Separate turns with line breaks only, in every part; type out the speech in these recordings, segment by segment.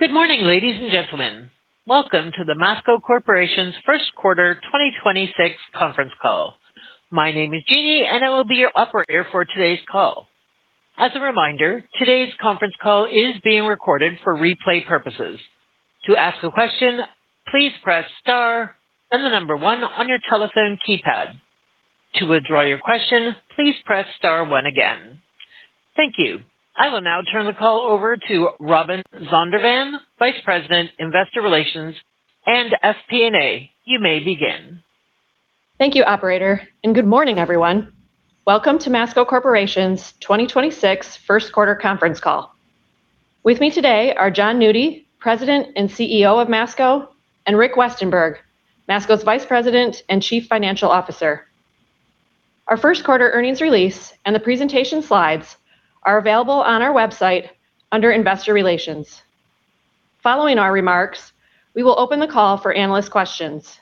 Good morning, ladies and gentlemen. Welcome to the Masco Corporation's first quarter 2026 conference call. My name is Jeannie, and I will be your operator for today's call. As a reminder, today's conference call is being recorded for replay purposes. To ask a question, please press star and the number one on your telephone keypad. To withdraw your question, please press star one again. Thank you. I will now turn the call over to Robin Zondervan, Vice President, Investor Relations and FP&A. You may begin.
Thank you, operator, and good morning, everyone. Welcome to Masco Corporation's 2026 first quarter conference call. With me today are Jon Nudi, President and CEO of Masco, and Rick Westenberg, Masco's Vice President and Chief Financial Officer. Our first quarter earnings release and the presentation slides are available on our website under Investor Relations. Following our remarks, we will open the call for analyst questions.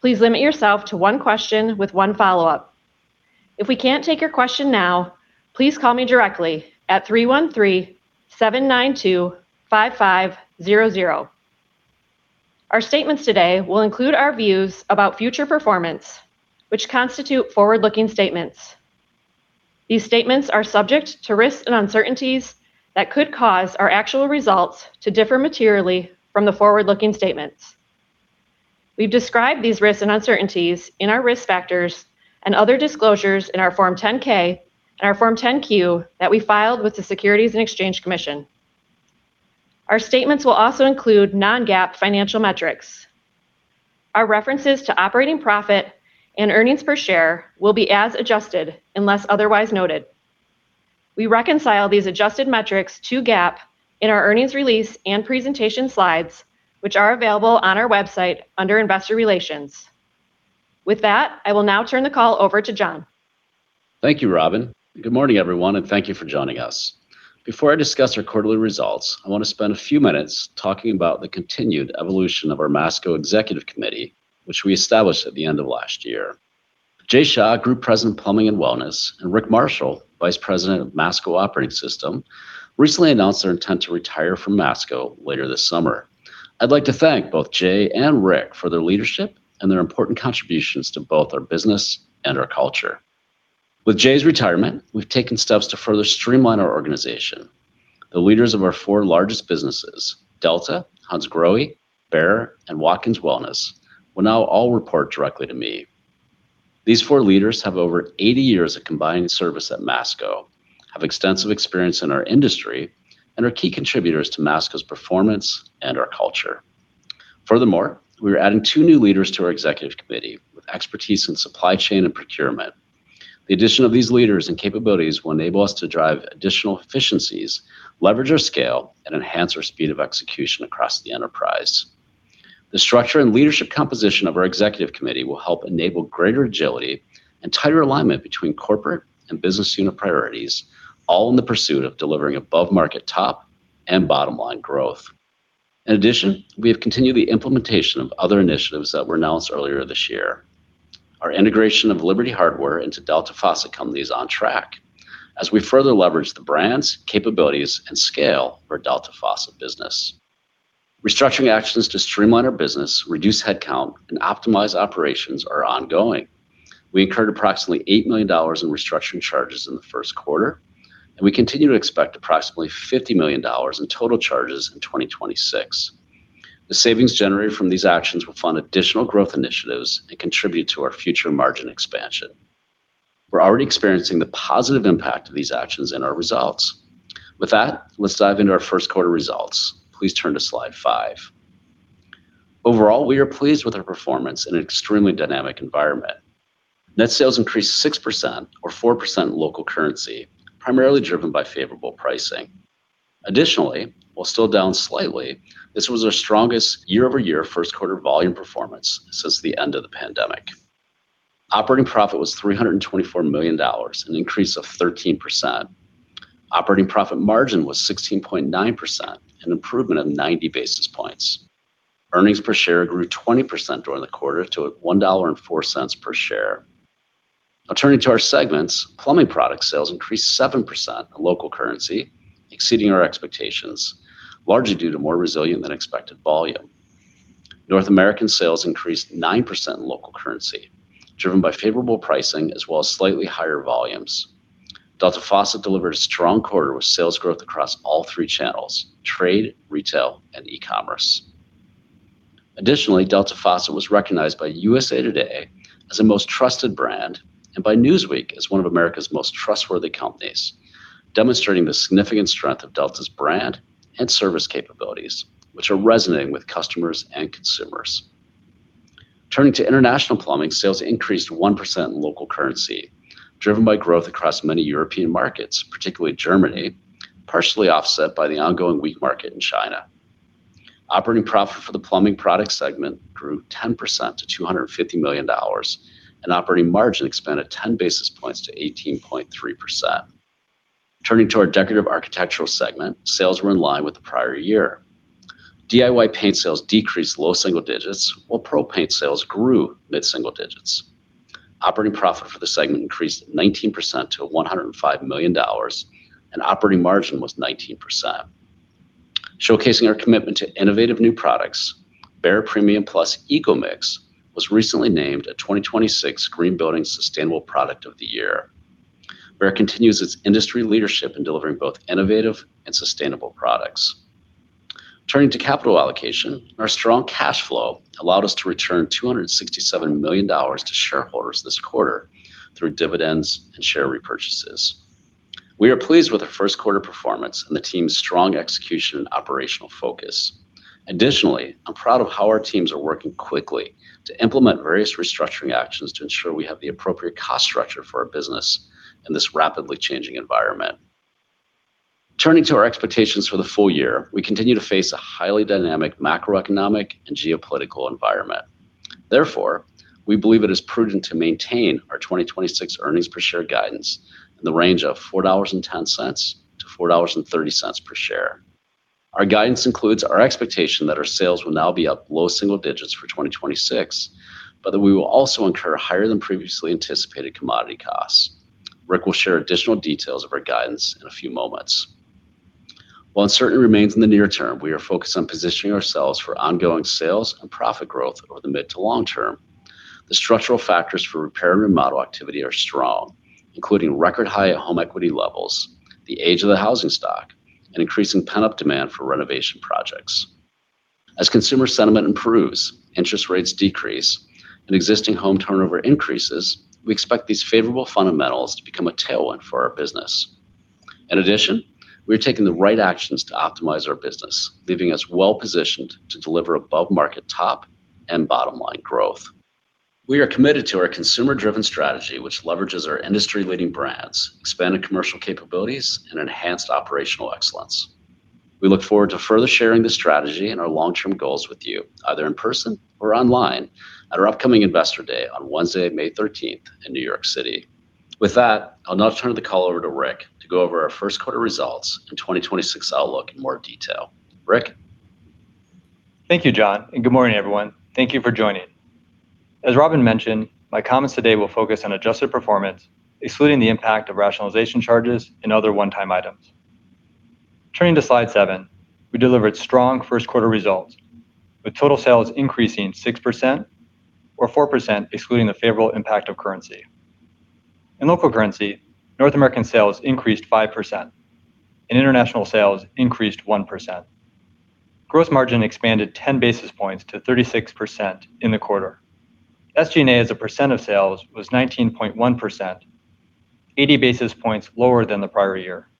Please limit yourself to one question with one follow-up. If we can't take your question now, please call me directly at 313-792-5500. Our statements today will include our views about future performance, which constitute forward-looking statements. These statements are subject to risks and uncertainties that could cause our actual results to differ materially from the forward-looking statements. We've described these risks and uncertainties in our risk factors and other disclosures in our Form 10-K and our Form 10-Q that we filed with the Securities and Exchange Commission. Our statements will also include non-GAAP financial metrics. Our references to operating profit and earnings per share will be as adjusted unless otherwise noted. We reconcile these adjusted metrics to GAAP in our earnings release and presentation slides, which are available on our website under Investor Relations. With that, I will now turn the call over to Jon.
Thank you, Robin, and good morning, everyone, and thank you for joining us. Before I discuss our quarterly results, I want to spend a few minutes talking about the continued evolution of our Masco Executive Committee, which we established at the end of last year. Jai Shah, Group President, Plumbing and Wellness, and Rick Marshall, Vice President of Masco Operating System, recently announced their intent to retire from Masco later this summer. I'd like to thank both Jai and Rick for their leadership and their important contributions to both our business and our culture. With Jai's retirement, we've taken steps to further streamline our organization. The leaders of our four largest businesses, Delta, Hansgrohe, Behr, and Watkins Wellness, will now all report directly to me. These four leaders have over 80 years of combined service at Masco, have extensive experience in our industry, and are key contributors to Masco's performance and our culture. Furthermore, we are adding two new leaders to our Executive Committee with expertise in supply chain and procurement. The addition of these leaders and capabilities will enable us to drive additional efficiencies, leverage our scale, and enhance our speed of execution across the enterprise. The structure and leadership composition of our Executive Committee will help enable greater agility and tighter alignment between corporate and business unit priorities, all in the pursuit of delivering above-market top and bottom-line growth. In addition, we have continued the implementation of other initiatives that were announced earlier this year. Our integration of Liberty Hardware into Delta Faucet Company is on track as we further leverage the brands, capabilities, and scale for Delta Faucet business. Restructuring actions to streamline our business, reduce headcount, and optimize operations are ongoing. We incurred approximately $8 million in restructuring charges in the first quarter, and we continue to expect approximately $50 million in total charges in 2026. The savings generated from these actions will fund additional growth initiatives and contribute to our future margin expansion. We're already experiencing the positive impact of these actions in our results. With that, let's dive into our first quarter results. Please turn to slide 5. Overall, we are pleased with our performance in an extremely dynamic environment. Net sales increased 6%, or 4% in local currency, primarily driven by favorable pricing. Additionally, while still down slightly, this was our strongest year-over-year first quarter volume performance since the end of the pandemic. Operating profit was $324 million, an increase of 13%. Operating profit margin was 16.9%, an improvement of 90 basis points. Earnings per share grew 20% during the quarter to $1.04 per share. Now, turning to our segments, Plumbing Products sales increased 7% in local currency, exceeding our expectations, largely due to more resilient-than-expected volume. North American sales increased 9% in local currency, driven by favorable pricing as well as slightly higher volumes. Delta Faucet delivered a strong quarter with sales growth across all three channels, trade, retail, and e-commerce. Additionally, Delta Faucet was recognized by USA Today as a most trusted brand and by Newsweek as one of America's most trustworthy companies, demonstrating the significant strength of Delta's brand and service capabilities, which are resonating with customers and consumers. Turning to International Plumbing, sales increased 1% in local currency, driven by growth across many European markets, particularly Germany, partially offset by the ongoing weak market in China. Operating profit for the plumbing product segment grew 10% to $250 million, and operating margin expanded 10 basis points to 18.3%. Turning to our Decorative Architectural segment, sales were in line with the prior year. DIY paint sales decreased low-single digits, while pro paint sales grew mid-single-digits. Operating profit for the segment increased 19% to $105 million, and operating margin was 19%. Showcasing our commitment to innovative new products, BEHR PREMIUM PLUS ECOMIX was recently named a 2026 Sustainable Products of the Year, where it continues its industry leadership in delivering both innovative and sustainable products. Turning to capital allocation, our strong cash flow allowed us to return $267 million to shareholders this quarter through dividends and share repurchases. We are pleased with the first quarter performance and the team's strong execution and operational focus. Additionally, I'm proud of how our teams are working quickly to implement various restructuring actions to ensure we have the appropriate cost structure for our business in this rapidly changing environment. Turning to our expectations for the full year, we continue to face a highly dynamic macroeconomic and geopolitical environment. Therefore, we believe it is prudent to maintain our 2026 earnings per share guidance in the range of $4.10-$4.30 per share. Our guidance includes our expectation that our sales will now be up low-single digits for 2026, but that we will also incur higher than previously anticipated commodity costs. Rick will share additional details of our guidance in a few moments. While uncertainty remains in the near term, we are focused on positioning ourselves for ongoing sales and profit growth over the mid to long term. The structural factors for repair and remodel activity are strong, including record high home equity levels, the age of the housing stock, and increasing pent-up demand for renovation projects. As consumer sentiment improves, interest rates decrease, and existing home turnover increases, we expect these favorable fundamentals to become a tailwind for our business. In addition, we are taking the right actions to optimize our business, leaving us well-positioned to deliver above-market top and bottom-line growth. We are committed to our consumer-driven strategy, which leverages our industry-leading brands, expanded commercial capabilities, and enhanced operational excellence. We look forward to further sharing this strategy and our long-term goals with you, either in person or online at our upcoming Investor Day on Wednesday, May 13th in New York City. With that, I'll now turn the call over to Rick to go over our first quarter results and 2026 outlook in more detail. Rick?
Thank you, Jon, and good morning, everyone. Thank you for joining. As Robin mentioned, my comments today will focus on adjusted performance, excluding the impact of rationalization charges and other one-time items. Turning to slide seven, we delivered strong first quarter results, with total sales increasing 6% or 4% excluding the favorable impact of currency. In local currency, North American sales increased 5% and international sales increased 1%. Gross margin expanded 10 basis points to 36% in the quarter. SG&A as a percent of sales was 19.1%, 80 basis points lower than the prior year.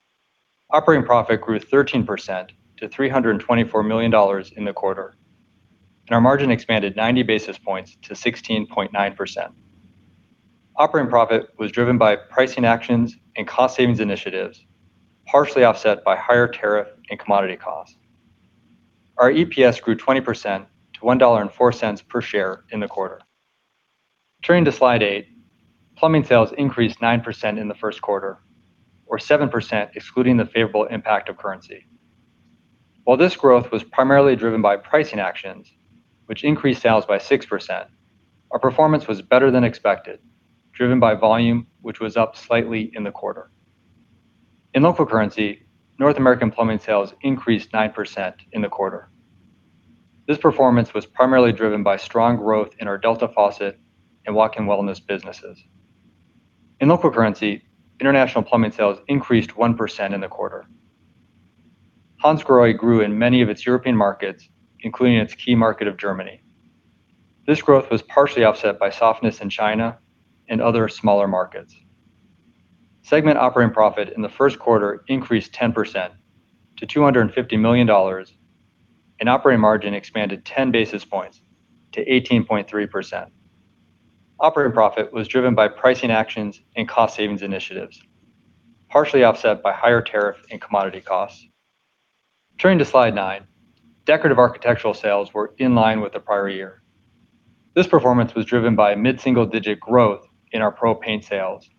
Operating profit grew 13% to $324 million in the quarter, and our margin expanded 90 basis points to 16.9%. Operating profit was driven by pricing actions and cost savings initiatives, partially offset by higher tariff and commodity costs. Our EPS grew 20% to $1.04 per share in the quarter. Turning to slide 8, plumbing sales increased 9% in the first quarter or 7% excluding the favorable impact of currency. While this growth was primarily driven by pricing actions, which increased sales by 6%, our performance was better than expected, driven by volume, which was up slightly in the quarter. In local currency, North American plumbing sales increased 9% in the quarter. This performance was primarily driven by strong growth in our Delta Faucet and Watkins Wellness businesses. In local currency, international plumbing sales increased 1% in the quarter. Hansgrohe grew in many of its European markets, including its key market of Germany. This growth was partially offset by softness in China and other smaller markets. Segment operating profit in the first quarter increased 10% to $250 million, and operating margin expanded 10 basis points to 18.3%. Operating profit was driven by pricing actions and cost savings initiatives, partially offset by higher tariff and commodity costs. Turning to slide 9, Decorative Architectural sales were in line with the prior year. This performance was driven by mid-single digit growth in our pro paint sales,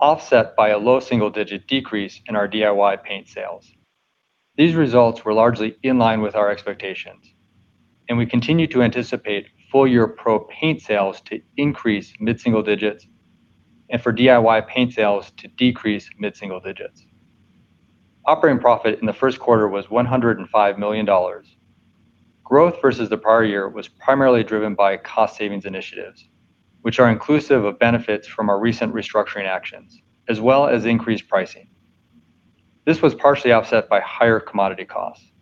offset by a low-single digit decrease in our DIY paint sales. These results were largely in line with our expectations, and we continue to anticipate full-year pro paint sales to increase mid-single digits and for DIY paint sales to decrease mid-single digits. Operating profit in the first quarter was $105 million. Growth versus the prior year was primarily driven by cost savings initiatives, which are inclusive of benefits from our recent restructuring actions as well as increased pricing. This was partially offset by higher commodity costs.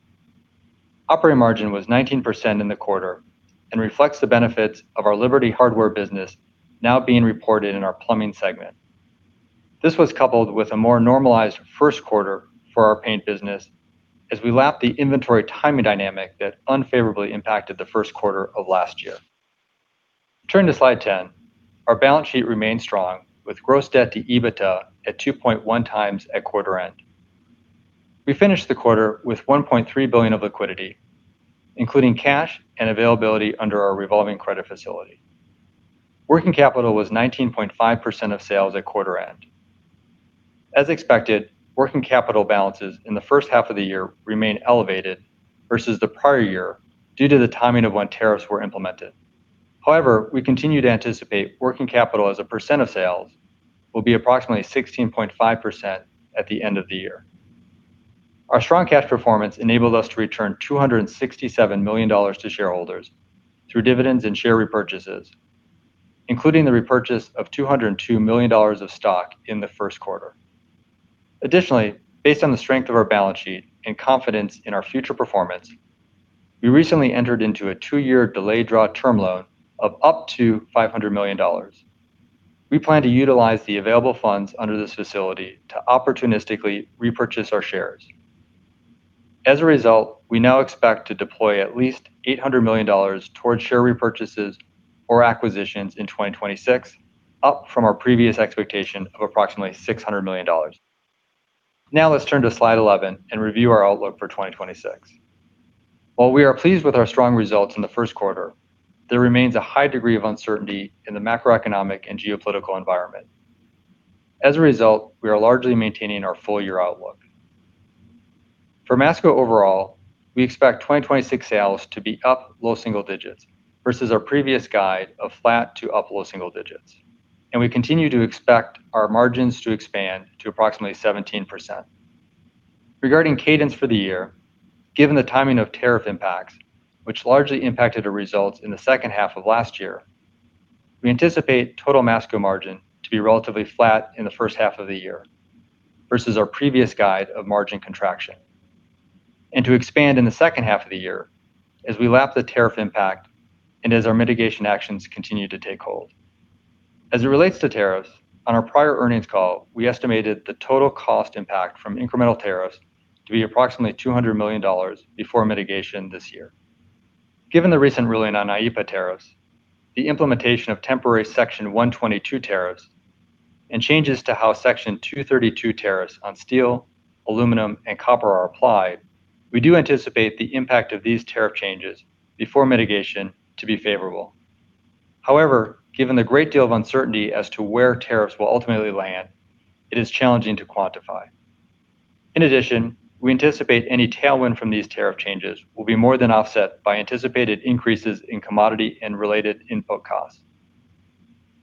Operating margin was 19% in the quarter and reflects the benefits of our Liberty Hardware business now being reported in our plumbing segment. This was coupled with a more normalized first quarter for our paint business as we lapped the inventory timing dynamic that unfavorably impacted the first quarter of last year. Turning to slide 10, our balance sheet remained strong with gross debt to EBITDA at 2.1x at quarter end. We finished the quarter with $1.3 billion of liquidity, including cash and availability under our revolving credit facility. Working capital was 19.5% of sales at quarter end. As expected, working capital balances in the first half of the year remain elevated versus the prior year due to the timing of when tariffs were implemented. However, we continue to anticipate working capital as a percent of sales will be approximately 16.5% at the end of the year. Our strong cash performance enabled us to return $267 million to shareholders through dividends and share repurchases, including the repurchase of $202 million of stock in the first quarter. Additionally, based on the strength of our balance sheet and confidence in our future performance, we recently entered into a two-year delayed draw term loan of up to $500 million. We plan to utilize the available funds under this facility to opportunistically repurchase our shares. As a result, we now expect to deploy at least $800 million towards share repurchases or acquisitions in 2026, up from our previous expectation of approximately $600 million. Now let's turn to slide 11 and review our outlook for 2026. While we are pleased with our strong results in the first quarter, there remains a high degree of uncertainty in the macroeconomic and geopolitical environment. As a result, we are largely maintaining our full-year outlook. For Masco overall, we expect 2026 sales to be up low-single-digits versus our previous guide of flat to up low-single-digits, and we continue to expect our margins to expand to approximately 17%. Regarding cadence for the year, given the timing of tariff impacts, which largely impacted our results in the second half of last year, we anticipate total Masco margin to be relatively flat in the first half of the year versus our previous guide of margin contraction to expand in the second half of the year as we lap the tariff impact and as our mitigation actions continue to take hold. As it relates to tariffs, on our prior earnings call, we estimated the total cost impact from incremental tariffs to be approximately $200 million before mitigation this year. Given the recent ruling on IEEPA tariffs, the implementation of temporary Section 122 tariffs, and changes to how Section 232 tariffs on steel, aluminum, and copper are applied, we do anticipate the impact of these tariff changes before mitigation to be favorable. However, given the great deal of uncertainty as to where tariffs will ultimately land, it is challenging to quantify. In addition, we anticipate any tailwind from these tariff changes will be more than offset by anticipated increases in commodity and related input costs.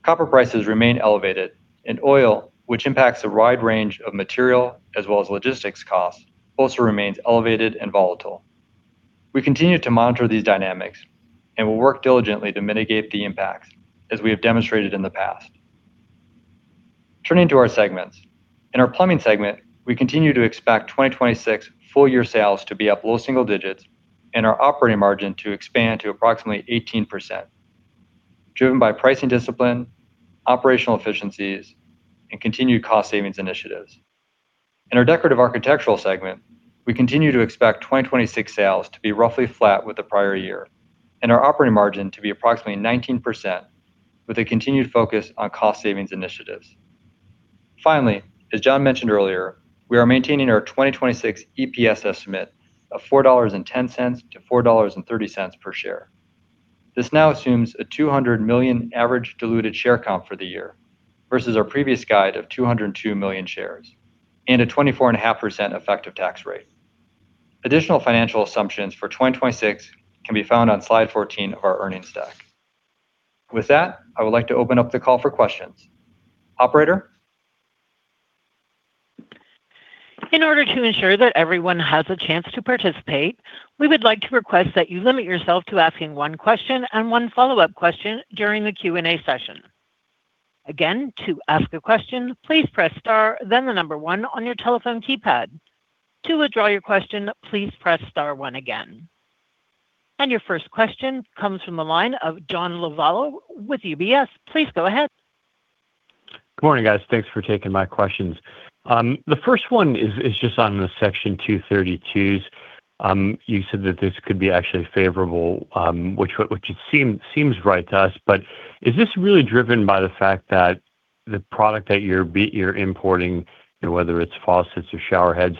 Copper prices remain elevated, and oil, which impacts a wide range of material as well as logistics costs, also remains elevated and volatile. We continue to monitor these dynamics and will work diligently to mitigate the impacts, as we have demonstrated in the past. Turning to our segments. In our Plumbing segment, we continue to expect 2026 full year sales to be up low-single-digits and our operating margin to expand to approximately 18%, driven by pricing discipline, operational efficiencies, and continued cost savings initiatives. In our Decorative Architectural segment, we continue to expect 2026 sales to be roughly flat with the prior year and our operating margin to be approximately 19% with a continued focus on cost savings initiatives. Finally, as Jon mentioned earlier, we are maintaining our 2026 EPS estimate of $4.10-$4.30 per share. This now assumes a 200 million average diluted share count for the year versus our previous guide of 202 million shares and a 24.5% effective tax rate. Additional financial assumptions for 2026 can be found on slide 14 of our earnings deck. With that, I would like to open up the call for questions. Operator?
In order to ensure that everyone has a chance to participate, we would like to request that you limit yourself to asking one question and one follow-up question during the Q&A session. Again, to ask a question, please press star then the number one on your telephone keypad. To withdraw your question, please press star one again. Your first question comes from the line of John Lovallo with UBS. Please go ahead.
Good morning, guys. Thanks for taking my questions. The first one is just on the Section 232s. You said that this could be actually favorable, which seems right to us, but is this really driven by the fact that the product that you're importing, whether it's faucets or shower heads,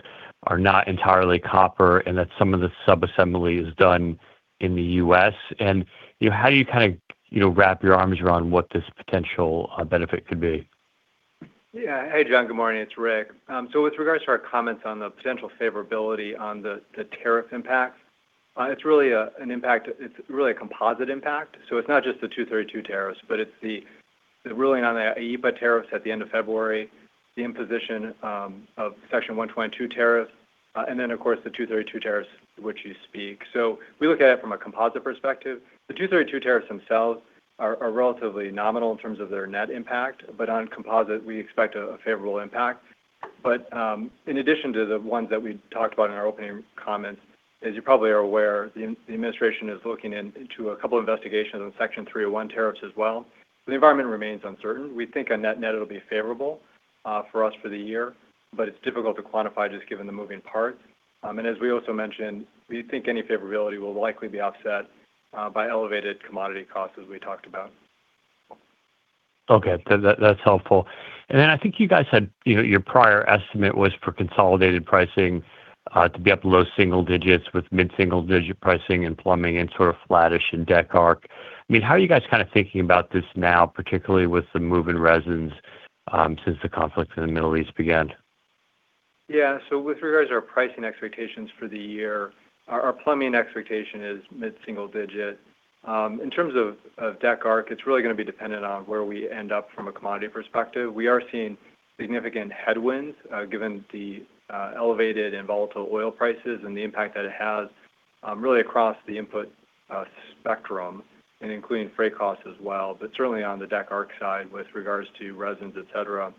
are not entirely copper and that some of the sub-assembly is done in the U.S.? How do you wrap your arms around what this potential benefit could be?
Yeah. Hey, John. Good morning. It's Rick. With regards to our comments on the potential favorability on the tariff impact, it's really a composite impact, so it's not just the 232 tariffs, but it's the ruling on the IEEPA tariffs at the end of February, the imposition of Section 122 tariffs, and then of course, the 232 tariffs which you speak. We look at it from a composite perspective. The 232 tariffs themselves are relatively nominal in terms of their net impact, but on composite, we expect a favorable impact. In addition to the ones that we talked about in our opening comments, as you probably are aware, the administration is looking into a couple investigations on Section 301 tariffs as well. The environment remains uncertain. We think on net it'll be favorable for us for the year, but it's difficult to quantify just given the moving parts. As we also mentioned, we think any favorability will likely be offset by elevated commodity costs as we talked about.
Okay. That's helpful. I think you guys said your prior estimate was for consolidated pricing. To be up low-single-digits with mid-single-digit pricing and plumbing and sort of flattish in Decorative Architectural. How are you guys kind of thinking about this now, particularly with the move in resins since the conflict in the Middle East began?
Yeah. With regards to our pricing expectations for the year, our Plumbing expectation is mid-single-digit%. In terms of Decorative Architectural, it's really going to be dependent on where we end up from a commodity perspective. We are seeing significant headwinds given the elevated and volatile oil prices and the impact that it has really across the input spectrum and including freight costs as well, but certainly on the Decorative Architectural side with regards to resins, et cetera.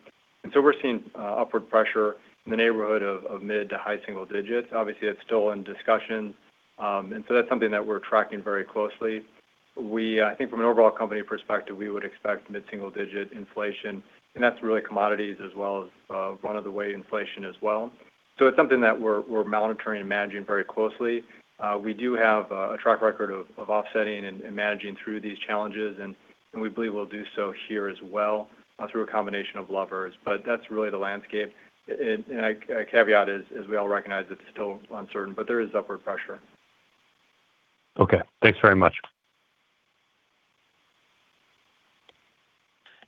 We're seeing upward pressure in the neighborhood of mid- to high-single-digit%. Obviously, that's still in discussion. That's something that we're tracking very closely. I think from an overall company perspective, we would expect mid-single-digit% inflation, and that's really commodities as well as run-of-the-mill inflation as well. It's something that we're monitoring and managing very closely. We do have a track record of offsetting and managing through these challenges, and we believe we'll do so here as well through a combination of levers. That's really the landscape. A caveat is, as we all recognize, it's still uncertain, but there is upward pressure.
Okay. Thanks very much.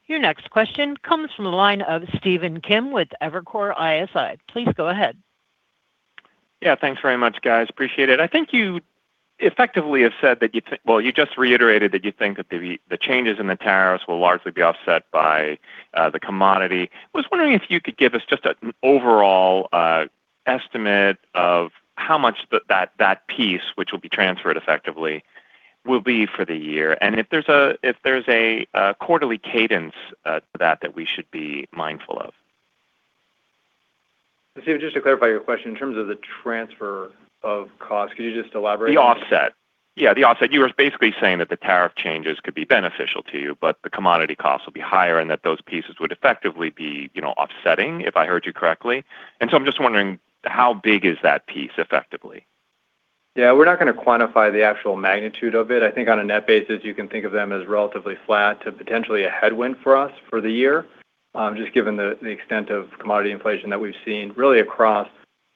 Your next question comes from the line of Stephen Kim with Evercore ISI. Please go ahead.
Yeah. Thanks very much, guys. Appreciate it. I think you effectively have said that you think—well, you just reiterated that you think that the changes in the tariffs will largely be offset by the commodity. Was wondering if you could give us just an overall estimate of how much that piece, which will be transferred effectively, will be for the year, and if there's a quarterly cadence to that that we should be mindful of?
Stephen, just to clarify your question, in terms of the transfer of cost, could you just elaborate?
The offset. You were basically saying that the tariff changes could be beneficial to you, but the commodity costs will be higher and that those pieces would effectively be offsetting, if I heard you correctly. I'm just wondering how big is that piece effectively?
Yeah. We're not going to quantify the actual magnitude of it. I think on a net basis, you can think of them as relatively flat to potentially a headwind for us for the year, just given the extent of commodity inflation that we've seen really across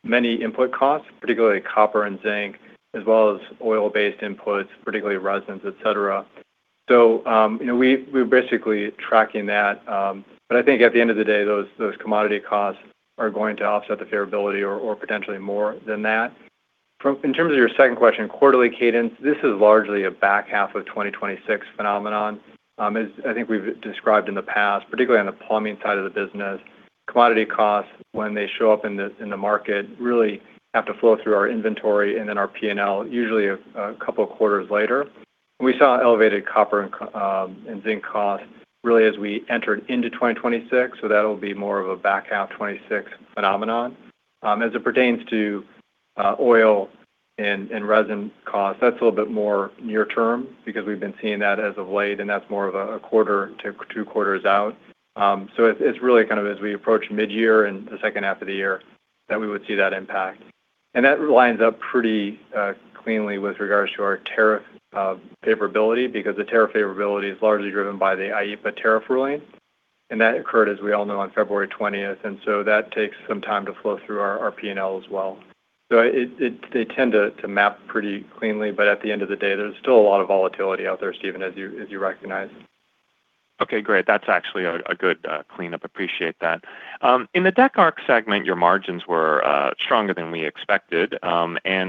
many input costs, particularly copper and zinc, as well as oil-based inputs, particularly resins, et cetera. We're basically tracking that. I think at the end of the day, those commodity costs are going to offset the favorability or potentially more than that. In terms of your second question, quarterly cadence, this is largely a back half of 2026 phenomenon. As I think we've described in the past, particularly on the plumbing side of the business, commodity costs, when they show up in the market, really have to flow through our inventory and then our P&L, usually a couple of quarters later. We saw elevated copper and zinc costs really as we entered into 2026, so that'll be more of a back half 2026 phenomenon. As it pertains to oil and resin costs, that's a little bit more near term because we've been seeing that as of late, and that's more of a quarter to two quarters out. It's really kind of as we approach mid-year and the second half of the year that we would see that impact. That lines up pretty cleanly with regards to our tariff favorability, because the tariff favorability is largely driven by the IEEPA tariff ruling. That occurred, as we all know, on February 20th. That takes some time to flow through our P&L as well. They tend to map pretty cleanly, but at the end of the day, there's still a lot of volatility out there, Stephen, as you recognize.
Okay, great. That's actually a good cleanup. Appreciate that. In the Decorative Architectural segment, your margins were stronger than we expected. I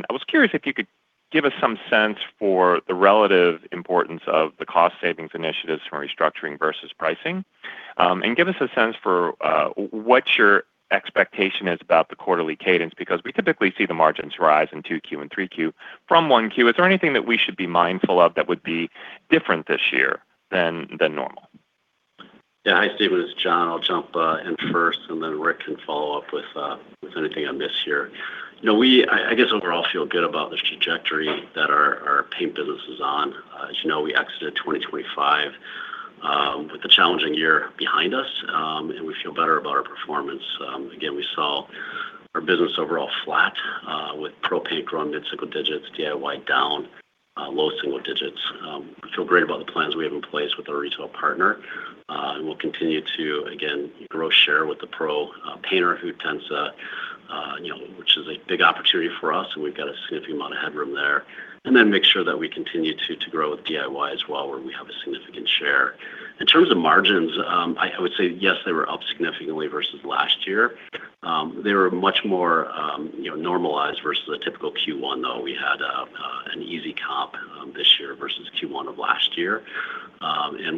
was curious if you could give us some sense for the relative importance of the cost savings initiatives from restructuring versus pricing. Give us a sense for what your expectation is about the quarterly cadence, because we typically see the margins rise in 2Q and 3Q from 1Q. Is there anything that we should be mindful of that would be different this year than normal?
Yeah. Hi, Stephen, it's Jon. I'll jump in first and then Rick can follow up with anything on this here. I guess overall, we feel good about the trajectory that our paint business is on. As you know, we exited 2025 with a challenging year behind us and we feel better about our performance. Again, we saw our business overall flat with pro paint growing mid-single digits, DIY down low-single-digits. We feel great about the plans we have in place with our retail partner. We'll continue to, again, grow share with the pro painter which is a big opportunity for us, and we've got a significant amount of headroom there. Then make sure that we continue to grow with DIY as well, where we have a significant share. In terms of margins, I would say yes, they were up significantly versus last year. They were much more normalized versus a typical Q1, though we had an easy comp this year versus Q1 of last year.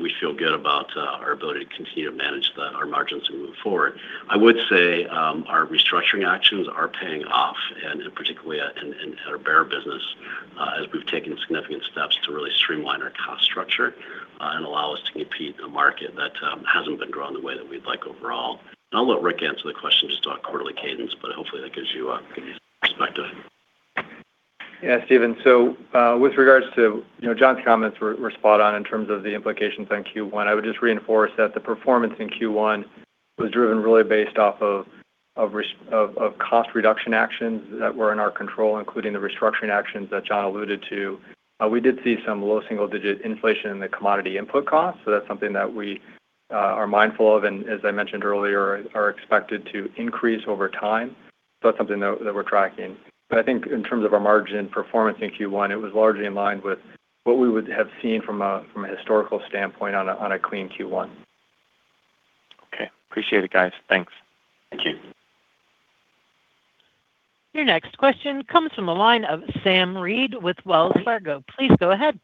We feel good about our ability to continue to manage our margins and move forward. I would say our restructuring actions are paying off, and particularly at our Behr business, as we've taken significant steps to really streamline our cost structure and allow us to compete in a market that hasn't been growing the way that we'd like overall. I'll let Rick answer the question just on quarterly cadence, but hopefully that gives you a good perspective.
Yeah, Stephen. Jon's comments were spot on in terms of the implications on Q1. I would just reinforce that the performance in Q1 was driven really based off of cost reduction actions that were in our control, including the restructuring actions that Jon alluded to. We did see some low single-digit inflation in the commodity input costs. That's something that we are mindful of, and as I mentioned earlier, are expected to increase over time. That's something that we're tracking. I think in terms of our margin performance in Q1, it was largely in line with what we would have seen from a historical standpoint on a clean Q1.
Okay. I appreciate it, guys. Thanks.
Thank you.
Your next question comes from the line of Sam Reid with Wells Fargo. Please go ahead.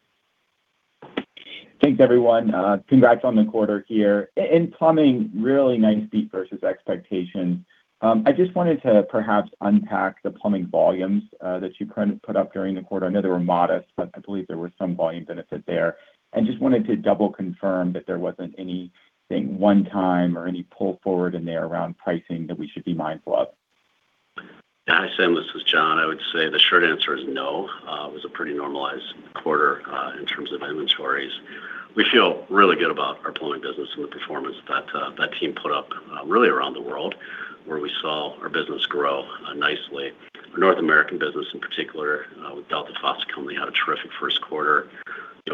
Thanks, everyone. Congrats on the quarter here. In plumbing, really nice beat versus expectation. I just wanted to perhaps unpack the plumbing volumes that you put up during the quarter. I know they were modest, but I believe there was some volume benefit there. I just wanted to double confirm that there wasn't anything one-time or any pull forward in there around pricing that we should be mindful of.
Hi, Sam, this is Jon. I would say the short answer is no. It was a pretty normalized quarter in terms of inventories. We feel really good about our plumbing business and the performance that team put up really around the world, where we saw our business grow nicely. Our North American business in particular, with Delta Faucet Company, had a terrific first quarter,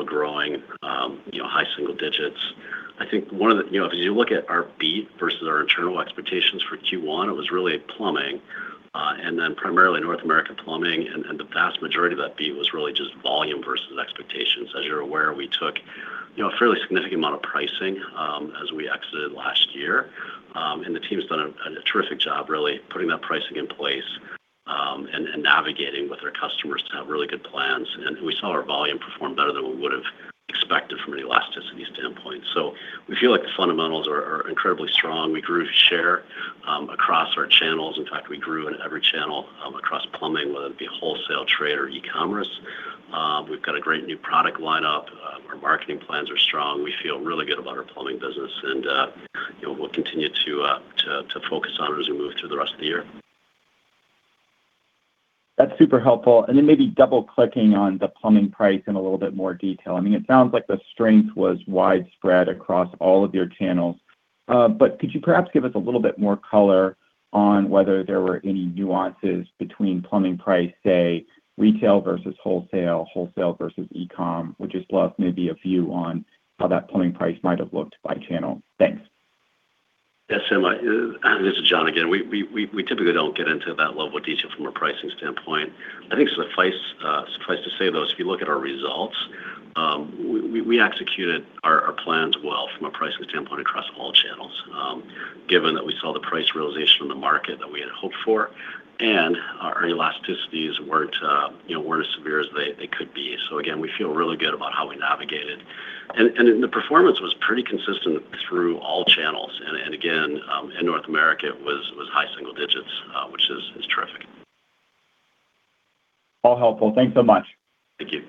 growing high single digits. If you look at our beat versus our internal expectations for Q1, it was really plumbing, and then primarily North America plumbing, and the vast majority of that beat was really just volume versus expectations. As you're aware, we took a fairly significant amount of pricing as we exited last year. The team's done a terrific job really putting that pricing in place, and navigating with our customers to have really good plans. We saw our volume perform better than we would have expected from an elasticity standpoint. We feel like the fundamentals are incredibly strong. We grew share across our channels. In fact, we grew in every channel across plumbing, whether it be wholesale, trade, or e-commerce. We've got a great new product line up. Our marketing plans are strong. We feel really good about our plumbing business and we'll continue to focus on it as we move through the rest of the year.
That's super helpful. Then maybe double-clicking on the plumbing price in a little bit more detail. It sounds like the strength was widespread across all of your channels. Could you perhaps give us a little bit more color on whether there were any nuances between plumbing price, say, retail versus wholesale versus e-com? Would just love maybe a view on how that plumbing price might have looked by channel. Thanks.
Yeah, Sam. This is Jon again. We typically don't get into that level of detail from a pricing standpoint. I think suffice to say, though, is if you look at our results, we executed our plans well from a pricing standpoint across all channels, given that we saw the price realization from the market that we had hoped for, and our elasticities weren't as severe as they could be. Again, we feel really good about how we navigated. The performance was pretty consistent through all channels. Again, in North America, it was high-single-digits%, which is terrific.
All helpful. Thanks so much.
Thank you.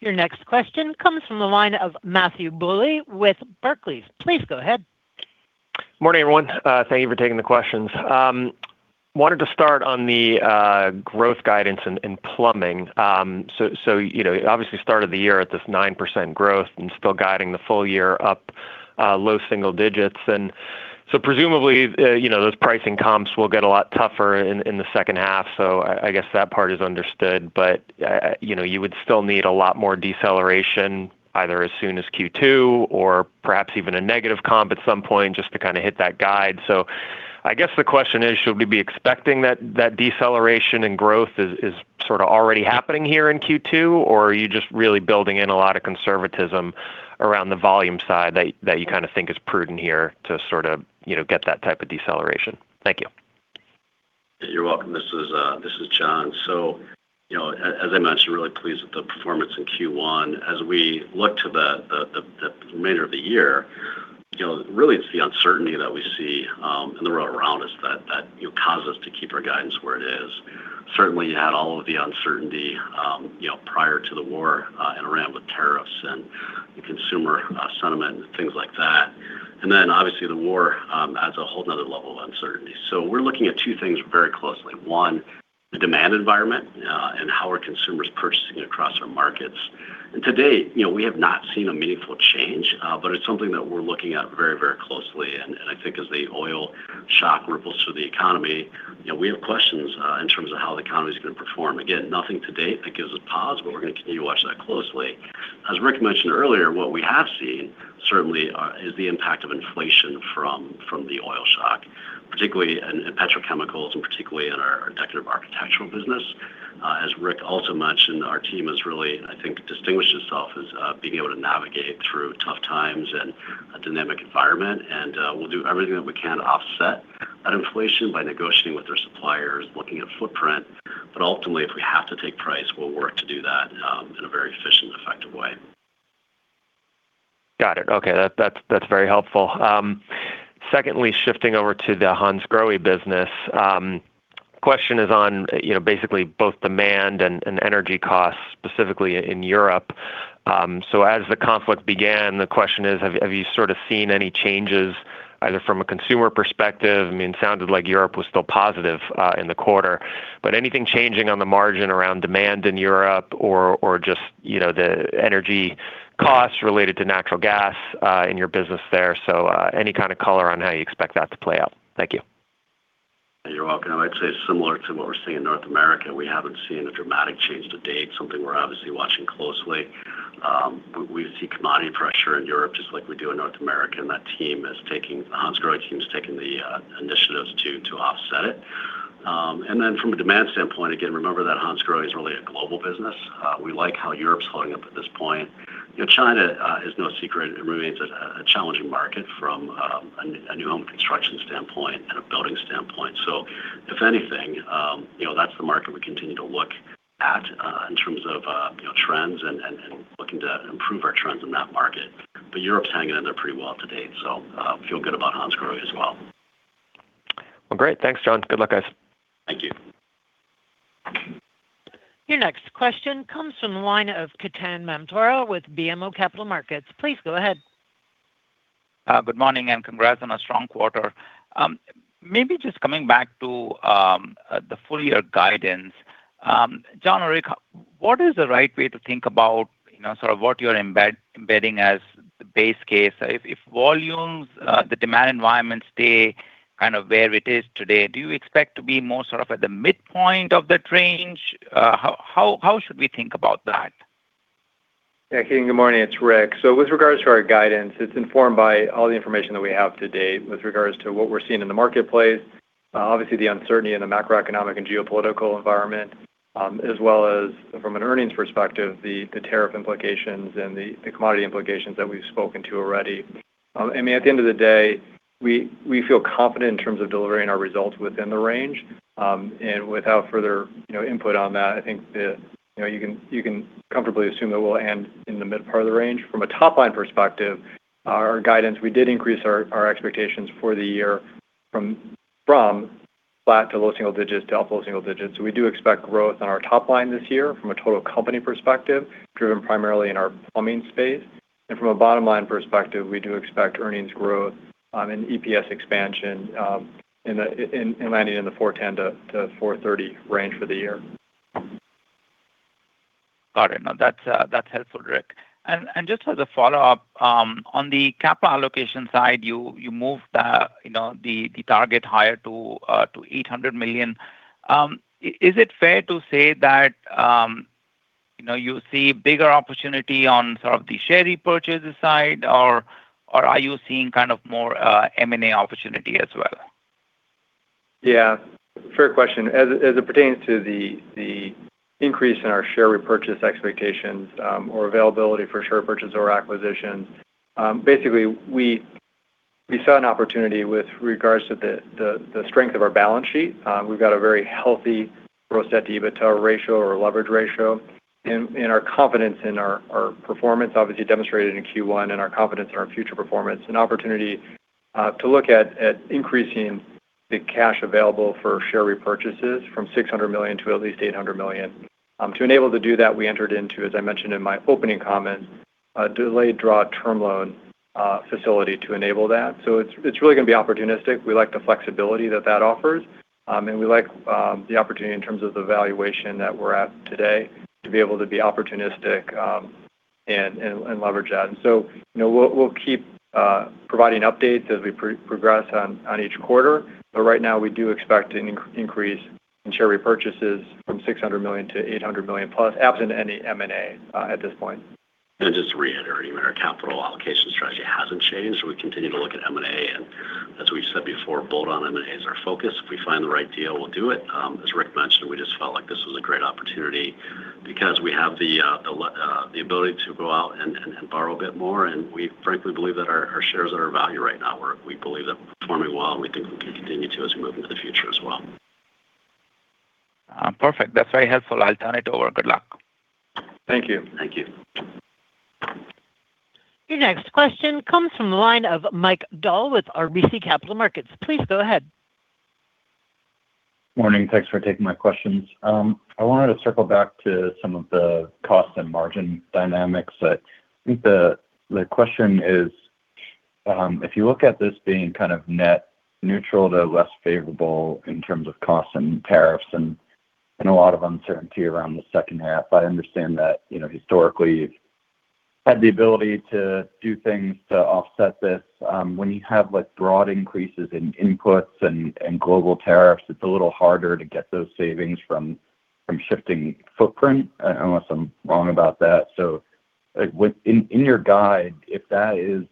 Your next question comes from the line of Matthew Bouley with Barclays. Please go ahead.
Morning, everyone. Thank you for taking the questions. I wanted to start on the growth guidance in plumbing. You obviously started the year at this 9% growth and still guiding the full year up low-single-digits. Presumably, those pricing comps will get a lot tougher in the second half. I guess that part is understood. You would still need a lot more deceleration either as soon as Q2 or perhaps even a negative comp at some point just to kind of hit that guide. I guess the question is, should we be expecting that deceleration in growth is sort of already happening here in Q2? Or are you just really building in a lot of conservatism around the volume side that you kind of think is prudent here to sort of get that type of deceleration? Thank you.
You're welcome. This is Jon. As I mentioned, really pleased with the performance in Q1. As we look to the remainder of the year, really it's the uncertainty that we see in the world around us that causes us to keep our guidance where it is. Certainly, you had all of the uncertainty prior to the war in Iran with tariffs and consumer sentiment and things like that. Then obviously the war adds a whole another level of uncertainty. We're looking at two things very closely. One, the demand environment and how are consumers purchasing across our markets. To date, we have not seen a meaningful change, but it's something that we're looking at very closely. I think as the oil shock ripples through the economy, we have questions in terms of how the economy is going to perform. Again, nothing to date that gives us pause, but we're going to continue to watch that closely. As Rick mentioned earlier, what we have seen certainly is the impact of inflation from the oil shock, particularly in petrochemicals and particularly in our Decorative Architectural business. As Rick also mentioned, our team has really, I think, distinguished itself as being able to navigate through tough times and a dynamic environment, and we'll do everything that we can to offset that inflation by negotiating with their suppliers, looking at footprint. But ultimately, if we have to take price, we'll work to do that in a very efficient and effective way.
Got it. Okay. That's very helpful. Secondly, shifting over to the Hansgrohe business. Question is on basically both demand and energy costs, specifically in Europe. As the conflict began, the question is, have you sort of seen any changes either from a consumer perspective? It sounded like Europe was still positive in the quarter, but anything changing on the margin around demand in Europe or just the energy costs related to natural gas in your business there? Any kind of color on how you expect that to play out. Thank you.
You're welcome. I'd say similar to what we're seeing in North America. We haven't seen a dramatic change to date, something we're obviously watching closely. We see commodity pressure in Europe just like we do in North America, and that Hansgrohe team is taking the initiatives to offset it. From a demand standpoint, again, remember that Hansgrohe is really a global business. We like how Europe's holding up at this point. China is no secret. It remains a challenging market from a new home construction standpoint and a building standpoint. If anything, that's the market we continue to look at in terms of trends and looking to improve our trends in that market. Europe's hanging in there pretty well to date, so I feel good about Hansgrohe as well.
Well, great. Thanks, Jon. Good luck, guys.
Thank you.
Your next question comes from the line of Ketan Mamtora with BMO Capital Markets. Please go ahead.
Good morning, and congrats on a strong quarter. Maybe just coming back to the full-year guidance. Jon or Rick, what is the right way to think about what you're embedding as the base case? If volumes, the demand environment stay where it is today, do you expect to be more at the midpoint of that range? How should we think about that?
Yeah, Ketan, good morning. It's Rick. With regards to our guidance, it's informed by all the information that we have to date with regards to what we're seeing in the marketplace. Obviously, the uncertainty in the macroeconomic and geopolitical environment, as well as from an earnings perspective, the tariff implications and the commodity implications that we've spoken to already. At the end of the day, we feel confident in terms of delivering our results within the range. Without further input on that, I think that you can comfortably assume that we'll end in the mid part of the range. From a top-line perspective, our guidance, we did increase our expectations for the year from flat to low-single-digits to up low-single-digits. We do expect growth on our top line this year from a total company perspective, driven primarily in our plumbing space. From a bottom-line perspective, we do expect earnings growth and EPS expansion and landing in the $4.10-$4.30 range for the year.
Got it. No, that's helpful, Rick. Just as a follow-up, on the capital allocation side, you moved the target higher to $800 million. Is it fair to say that you see bigger opportunity on the share repurchase side, or are you seeing more M&A opportunity as well?
Yeah. Fair question. As it pertains to the increase in our share repurchase expectations or availability for share purchase or acquisitions, basically, we saw an opportunity with regards to the strength of our balance sheet. We've got a very healthy ROS-to-EBITDA ratio or leverage ratio, and our confidence in our performance, obviously demonstrated in Q1, and our confidence in our future performance, an opportunity to look at increasing the cash available for share repurchases from $600 million to at least $800 million. To enable to do that, we entered into, as I mentioned in my opening comments, a delayed draw term loan facility to enable that. So it's really going to be opportunistic. We like the flexibility that that offers. We like the opportunity in terms of the valuation that we're at today to be able to be opportunistic and leverage that. We'll keep providing updates as we progress on each quarter. Right now, we do expect an increase in share repurchases from $600 million to $800 million plus absent any M&A at this point.
Just reiterating, our capital allocation strategy hasn't changed. We continue to look at M&A, and as we've said before, bolt-on M&A is our focus. If we find the right deal, we'll do it. As Rick mentioned, we just felt like this was a great opportunity because we have the ability to go out and borrow a bit more, and we frankly believe that our shares are at value right now, where we believe that we're performing well, and we think we can continue to as we move into the future as well.
Perfect. That's very helpful. I'll turn it over. Good luck.
Thank you.
Thank you.
Your next question comes from the line of Mike Dahl with RBC Capital Markets. Please go ahead.
Morning. Thanks for taking my questions. I wanted to circle back to some of the cost and margin dynamics. I think the question is, if you look at this being net neutral to less favorable in terms of costs and tariffs and a lot of uncertainty around the second half, I understand that historically you've had the ability to do things to offset this. When you have broad increases in inputs and global tariffs, it's a little harder to get those savings from shifting footprint, unless I'm wrong about that. In your guide, if that is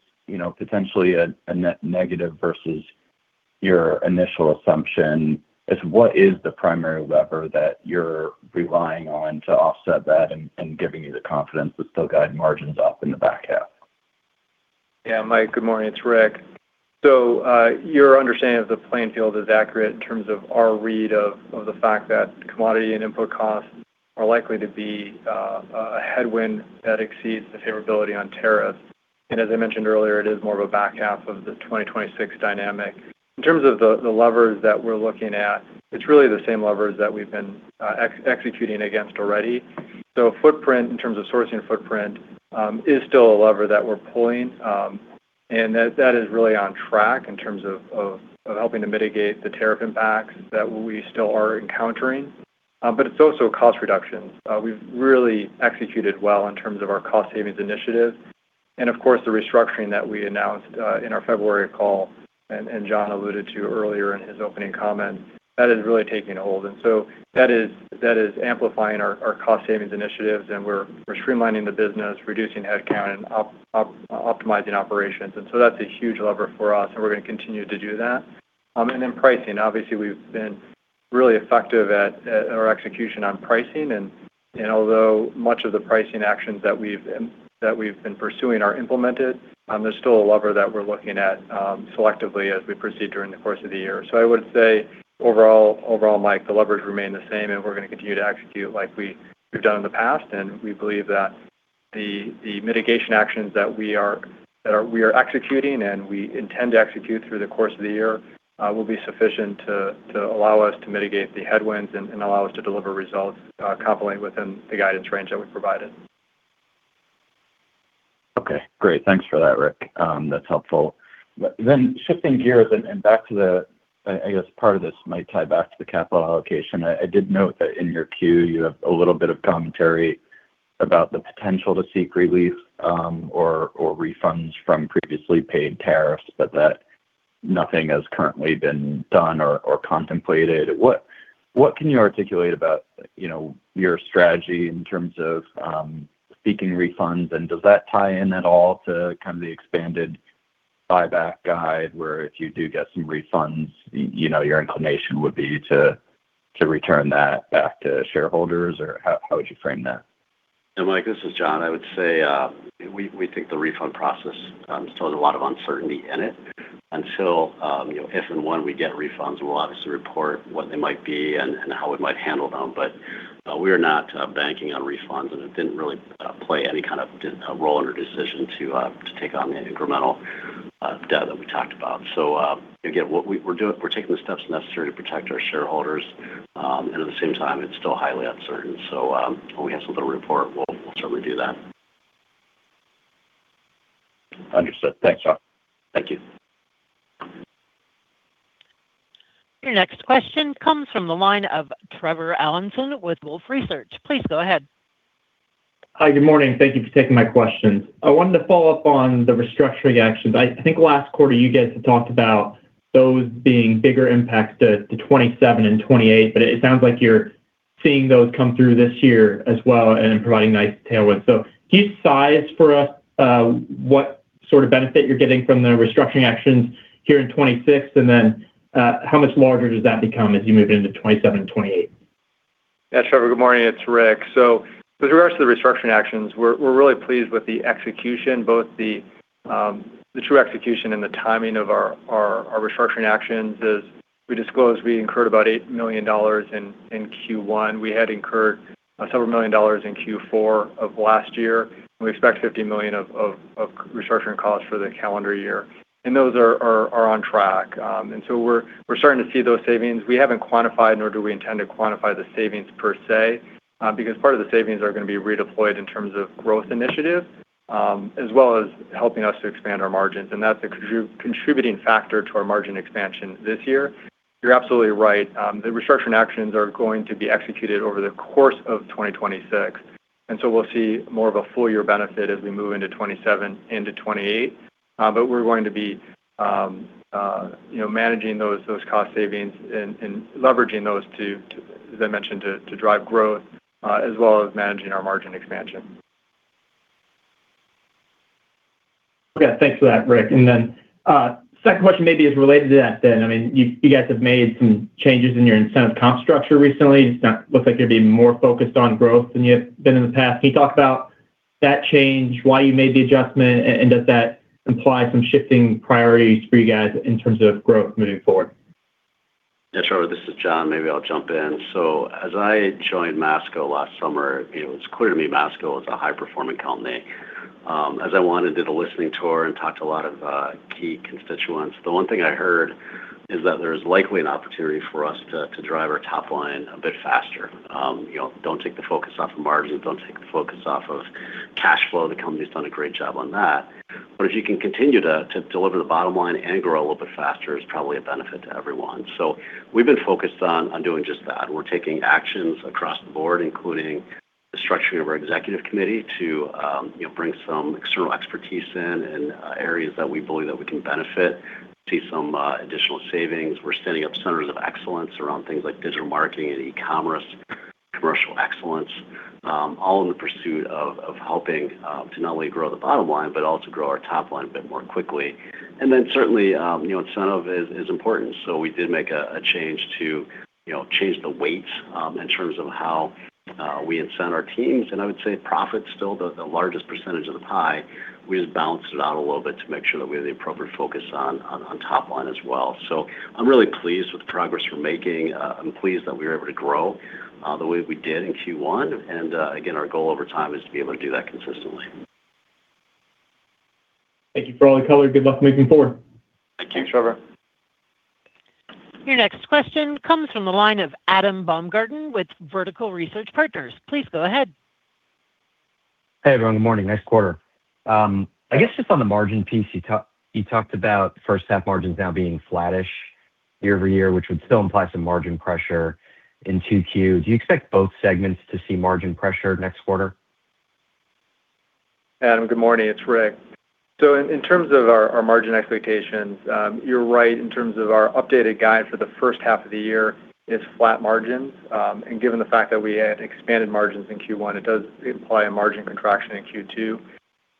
potentially a net negative versus your initial assumption, what is the primary lever that you're relying on to offset that and giving you the confidence to still guide margins up in the back half?
Yeah. Mike, good morning. It's Rick. Your understanding of the playing field is accurate in terms of our read of the fact that commodity and input costs are likely to be a headwind that exceeds the favorability on tariffs. As I mentioned earlier, it is more of a back half of the 2026 dynamic. In terms of the levers that we're looking at, it's really the same levers that we've been executing against already. Footprint, in terms of sourcing footprint, is still a lever that we're pulling. That is really on track in terms of helping to mitigate the tariff impacts that we still are encountering. It's also cost reductions. We've really executed well in terms of our cost savings initiatives. Of course, the restructuring that we announced in our February call, and Jon alluded to earlier in his opening comments, that is really taking hold. That is amplifying our cost savings initiatives, and we're streamlining the business, reducing headcount, and optimizing operations. That's a huge lever for us, and we're going to continue to do that. Pricing, obviously, we've been really effective at our execution on pricing. Although much of the pricing actions that we've been pursuing are implemented, there's still a lever that we're looking at selectively as we proceed during the course of the year. I would say overall, Mike, the levers remain the same, and we're going to continue to execute like we've done in the past. We believe that the mitigation actions that we are executing and we intend to execute through the course of the year will be sufficient to allow us to mitigate the headwinds and allow us to deliver results compliant within the guidance range that we provided.
Okay, great. Thanks for that, Rick. That's helpful. Shifting gears and back to the, I guess part of this might tie back to the capital allocation. I did note that in your queue, you have a little bit of commentary about the potential to seek relief or refunds from previously paid tariffs, but that nothing has currently been done or contemplated. What can you articulate about your strategy in terms of seeking refunds, and does that tie in at all to the expanded buyback guidance, where if you do get some refunds, your inclination would be to return that back to shareholders? Or how would you frame that?
Mike, this is Jon. I would say we think the refund process still has a lot of uncertainty in it. Until, if and when we get refunds, we'll obviously report what they might be and how we might handle them. We are not banking on refunds, and it didn't really play any kind of role in our decision to take on the incremental debt that we talked about. Again, we're taking the steps necessary to protect our shareholders. At the same time, it's still highly uncertain, so when we have something to report, we'll certainly do that.
Understood. Thanks, Jon.
Thank you.
Your next question comes from the line of Trevor Allinson with Wolfe Research. Please go ahead.
Hi, good morning. Thank you for taking my questions. I wanted to follow up on the restructuring actions. I think last quarter you guys had talked about those being bigger impacts to 2027 and 2028, but it sounds like you're seeing those come through this year as well and providing nice tailwinds. Can you size for us what sort of benefit you're getting from the restructuring actions here in 2026? And then how much larger does that become as you move into 2027 and 2028?
Yeah, Trevor, good morning. It's Rick. With regards to the restructuring actions, we're really pleased with the execution, both the true execution and the timing of our restructuring actions. As we disclosed, we incurred about $8 million in Q1. We had incurred several million dollars in Q4 of last year, and we expect $50 million of restructuring costs for the calendar year. Those are on track. We're starting to see those savings. We haven't quantified, nor do we intend to quantify the savings per se, because part of the savings are going to be redeployed in terms of growth initiatives, as well as helping us to expand our margins. That's a contributing factor to our margin expansion this year. You're absolutely right. The restructuring actions are going to be executed over the course of 2026, and so we'll see more of a full year benefit as we move into 2027, into 2028. We're going to be managing those cost savings and leveraging those to, as I mentioned, to drive growth, as well as managing our margin expansion.
Okay. Thanks for that, Rick. Second question maybe is related to that then. You guys have made some changes in your incentive comp structure recently. It looks like you're being more focused on growth than you have been in the past. Can you talk about that change, why you made the adjustment, and does that imply some shifting priorities for you guys in terms of growth moving forward?
Yeah, sure. This is Jon. Maybe I'll jump in. As I joined Masco last summer, it was clear to me Masco was a high-performing company. As I went and did a listening tour and talked to a lot of key constituents, the one thing I heard is that there's likely an opportunity for us to drive our top line a bit faster. Don't take the focus off of margins, don't take the focus off of cash flow. The company's done a great job on that. If you can continue to deliver the bottom line and grow a little bit faster is probably a benefit to everyone. We've been focused on doing just that. We're taking actions across the board, including the structuring of our Executive Committee to bring some external expertise in areas that we believe that we can benefit, see some additional savings. We're standing up centers of excellence around things like digital marketing and e-commerce, commercial excellence, all in the pursuit of helping to not only grow the bottom line, but also grow our top line a bit more quickly. Certainly, incentive is important. We did make a change to change the weight in terms of how we incent our teams, and I would say profit's still the largest % of the pie. We just balanced it out a little bit to make sure that we have the appropriate focus on top line as well. I'm really pleased with the progress we're making. I'm pleased that we were able to grow the way we did in Q1. Our goal over time is to be able to do that consistently.
Thank you for all the color. Good luck moving forward.
Thank you, Trevor.
Your next question comes from the line of Adam Baumgarten with Vertical Research Partners. Please go ahead.
Hey, everyone. Good morning. Nice quarter. I guess just on the margin piece, you talked about first half margins now being flattish year-over-year, which would still imply some margin pressure in 2Q. Do you expect both segments to see margin pressure next quarter?
Adam, good morning. It's Rick. In terms of our margin expectations, you're right. In terms of our updated guide for the first half of the year, it's flat margins. Given the fact that we had expanded margins in Q1, it does imply a margin contraction in Q2.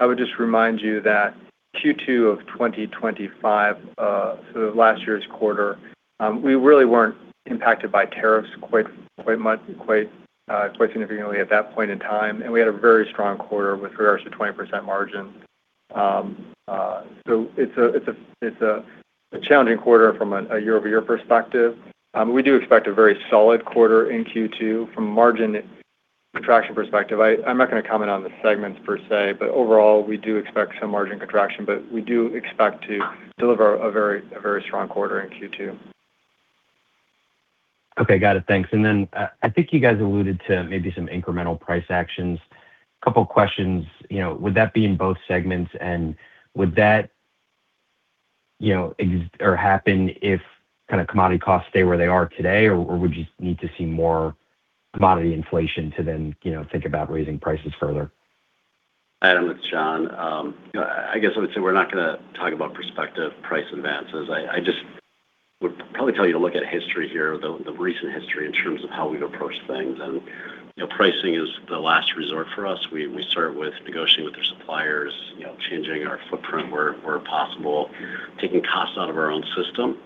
I would just remind you that Q2 of 2025, so last year's quarter, we really weren't impacted by tariffs quite significantly at that point in time, and we had a very strong quarter with regards to 20% margins. It's a challenging quarter from a year-over-year perspective. We do expect a very solid quarter in Q2 from a margin contraction perspective. I'm not going to comment on the segments per se, but overall, we do expect some margin contraction. We do expect to deliver a very strong quarter in Q2.
Okay. Got it. Thanks. I think you guys alluded to maybe some incremental price actions. A couple questions. Would that be in both segments? And would that exist or happen if commodity costs stay where they are today? Or would you need to see more commodity inflation to then think about raising prices further?
Adam, it's Jon. I guess I would say we're not going to talk about prospective price advances. I just would probably tell you to look at history here, the recent history, in terms of how we'd approach things. Pricing is the last resort for us. We start with negotiating with our suppliers, changing our footprint where possible, taking costs out of our own system.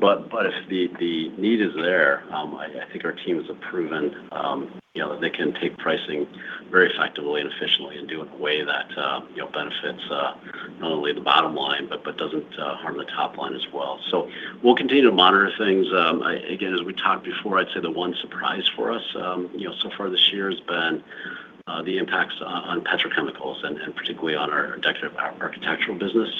If the need is there, I think our team has proven that they can take pricing very effectively and efficiently and do it in a way that benefits not only the bottom line, but doesn't harm the top line as well. We'll continue to monitor things. Again, as we talked before, I'd say the one surprise for us so far this year has been the impacts on petrochemicals and particularly on our architectural business.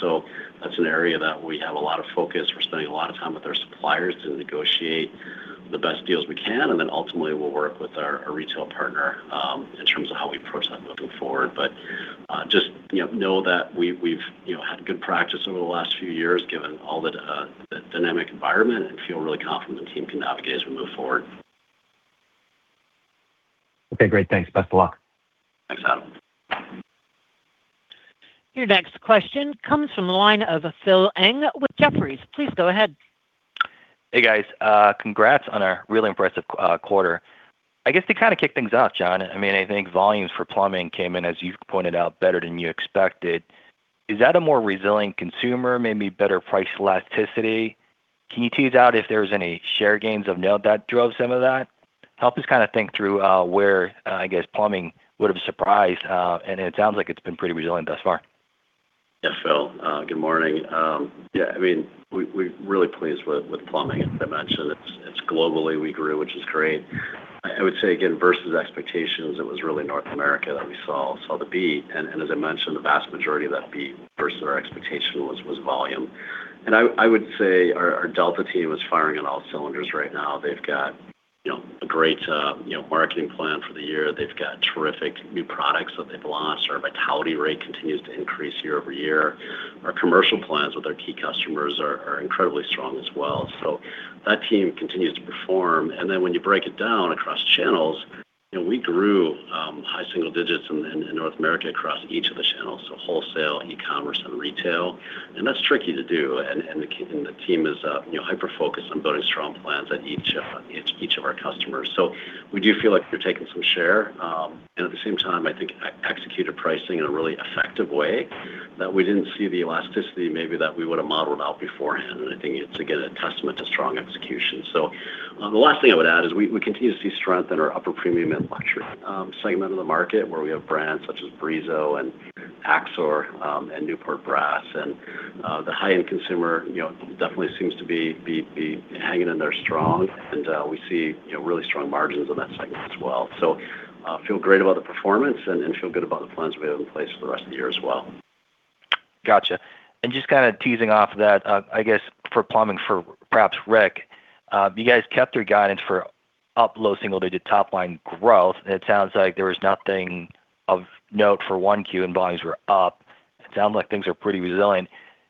That's an area that we have a lot of focus. We're spending a lot of time with our suppliers to negotiate the best deals we can, and then ultimately we'll work with our retail partner, in terms of how we approach that moving forward. Just know that we've had good practice over the last few years, given all the dynamic environment, and feel really confident the team can navigate as we move forward.
Okay, great. Thanks. Best of luck.
Thanks, Adam.
Your next question comes from the line of Phil Ng with Jefferies. Please go ahead.
Hey, guys. Congrats on a really impressive quarter. I guess to kind of kick things off, Jon, I think volumes for plumbing came in, as you pointed out, better than you expected. Is that a more resilient consumer, maybe better price elasticity? Can you tease out if there's any share gains or any that drove some of that? Help us kind of think through where plumbing would have surprised, and it sounds like it's been pretty resilient thus far.
Yeah, Phil. Good morning. Yeah, we're really pleased with plumbing. As I mentioned, it's globally we grew, which is great. I would say, again, versus expectations, it was really North America that we saw the beat. As I mentioned, the vast majority of that beat versus our expectation was volume. I would say our Delta team is firing on all cylinders right now. They've got a great marketing plan for the year. They've got terrific new products that they've launched. Our vitality rate continues to increase year-over-year. Our commercial plans with our key customers are incredibly strong as well. That team continues to perform. Then when you break it down across channels, we grew high single digits in North America across each of the channels. Wholesale, e-commerce, and retail. That's tricky to do. The team is hyper-focused on building strong plans at each of our customers. We do feel like we're taking some share. At the same time, I think we executed pricing in a really effective way that we didn't see the elasticity maybe that we would have modeled out beforehand. I think it's, again, a testament to strong execution. The last thing I would add is we continue to see strength in our upper premium and luxury segment of the market, where we have brands such as Brizo and AXOR, and Newport Brass. The high-end consumer definitely seems to be hanging in there strong. We see really strong margins in that segment as well. We feel great about the performance and feel good about the plans we have in place for the rest of the year as well.
Got you. Just kind of teasing off of that, I guess for plumbing, for perhaps Rick, you guys kept your guidance for up low single-digit top-line growth, and it sounds like there was nothing of note for Q1 and volumes were up. It sounds like things are pretty resilient.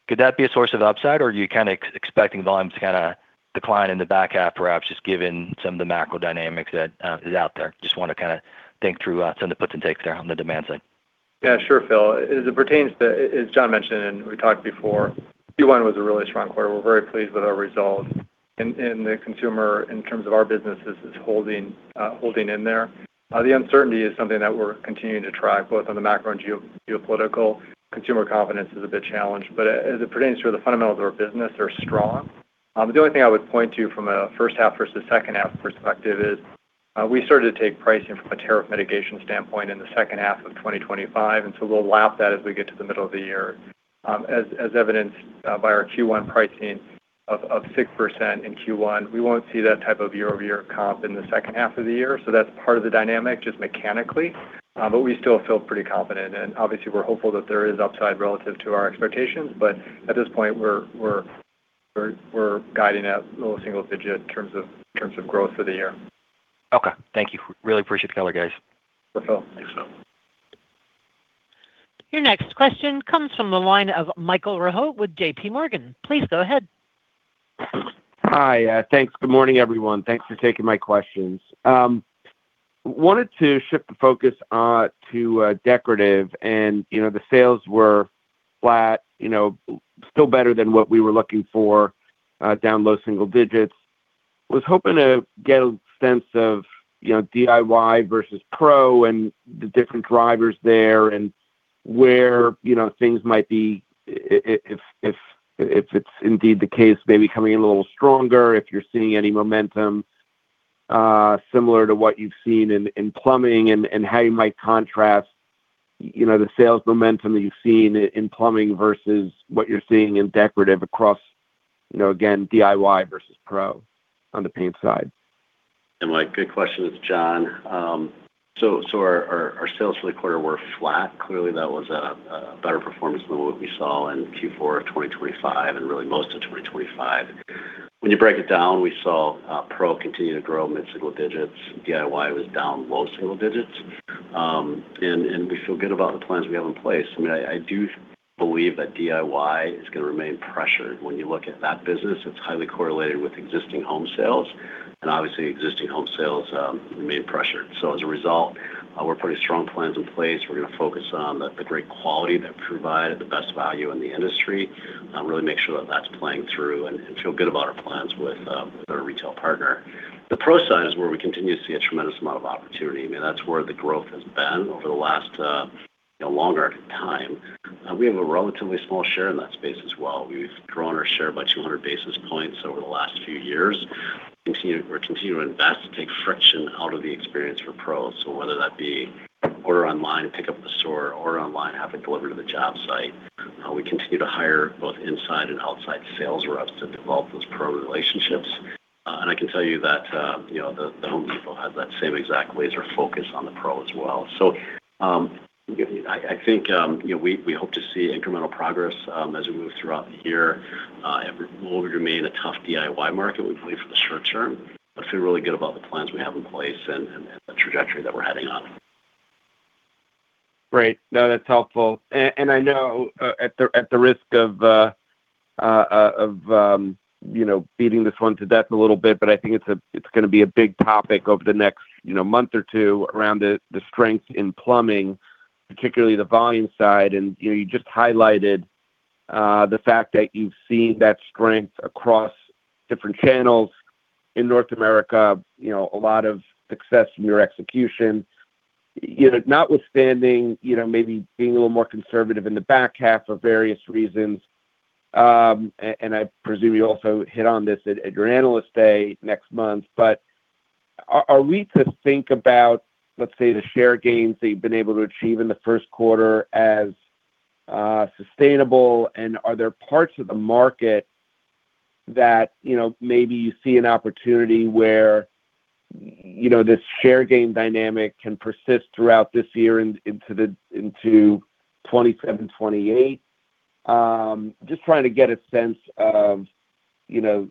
Could that be a source of upside or are you kind of expecting volumes to kind of decline in the back half, perhaps just given some of the macro dynamics that is out there? Just want to kind of think through some of the puts and takes there on the demand side.
Yeah, sure, Phil. As it pertains to, as Jon mentioned and we talked before, Q1 was a really strong quarter. We're very pleased with our results in the consumer in terms of our business is holding in there. The uncertainty is something that we're continuing to track both on the macro and geopolitical. Consumer confidence is a bit challenged, but as it pertains to the fundamentals of our business are strong. The only thing I would point to from a first half versus second half perspective is we started to take pricing from a tariff mitigation standpoint in the second half of 2025, and so we'll lap that as we get to the middle of the year. As evidenced by our Q1 pricing of 6% in Q1, we won't see that type of year-over-year comp in the second half of the year. That's part of the dynamic, just mechanically. We still feel pretty confident and obviously we're hopeful that there is upside relative to our expectations, but at this point we're guiding at low single digit in terms of growth for the year.
Okay. Thank you. Really appreciate the color, guys.
Sure, Phil.
Thanks, Phil.
Your next question comes from the line of Michael Rehaut with JPMorgan. Please go ahead.
Hi. Thanks. Good morning, everyone. Thanks for taking my questions. I wanted to shift the focus on to decorative, and the sales were flat, still better than what we were looking for, down low-single-digits. I was hoping to get a sense of DIY versus pro and the different drivers there and where things might be if it's indeed the case, maybe coming in a little stronger, if you're seeing any momentum similar to what you've seen in plumbing and how you might contrast the sales momentum that you've seen in plumbing versus what you're seeing in decorative across, again, DIY versus pro on the paint side.
Mike, good question. It's Jon. Our sales for the quarter were flat. Clearly that was a better performance than what we saw in Q4 of 2025 and really most of 2025. When you break it down, we saw pro continue to grow mid-single digits. DIY was down low-single-digits. We feel good about the plans we have in place. I do believe that DIY is going to remain pressured when you look at that business. It's highly correlated with existing home sales and obviously existing home sales remain pressured. As a result, we're putting strong plans in place. We're going to focus on the great quality that we provide at the best value in the industry and really make sure that that's playing through and feel good about our plans with our retail partner. The pro side is where we continue to see a tremendous amount of opportunity. That's where the growth has been over the last longer time. We have a relatively small share in that space as well. We've grown our share by 200 basis points over the last few years. We're continuing to invest to take friction out of the experience for pros, whether that be order online, pick up at the store or online, have it delivered to the job site. We continue to hire both inside and outside sales reps to develop those pro relationships. I can tell you that The Home Depot has that same exact laser focus on the pro as well. I think we hope to see incremental progress as we move throughout the year. It will remain a tough DIY market, we believe, for the short term, but feel really good about the plans we have in place and the trajectory that we're heading on.
Great. No, that's helpful. I know at the risk of beating this one to death a little bit, but I think it's going to be a big topic over the next month or two around the strength in plumbing, particularly the volume side. You just highlighted the fact that you've seen that strength across different channels in North America, a lot of success in your execution, notwithstanding maybe being a little more conservative in the back half for various reasons. I presume you also hit on this at your Analyst Day next month. Are we to think about, let's say, the share gains that you've been able to achieve in the first quarter as sustainable? Are there parts of the market that maybe you see an opportunity where this share gain dynamic can persist throughout this year into 2027, 2028? Just trying to get a sense of the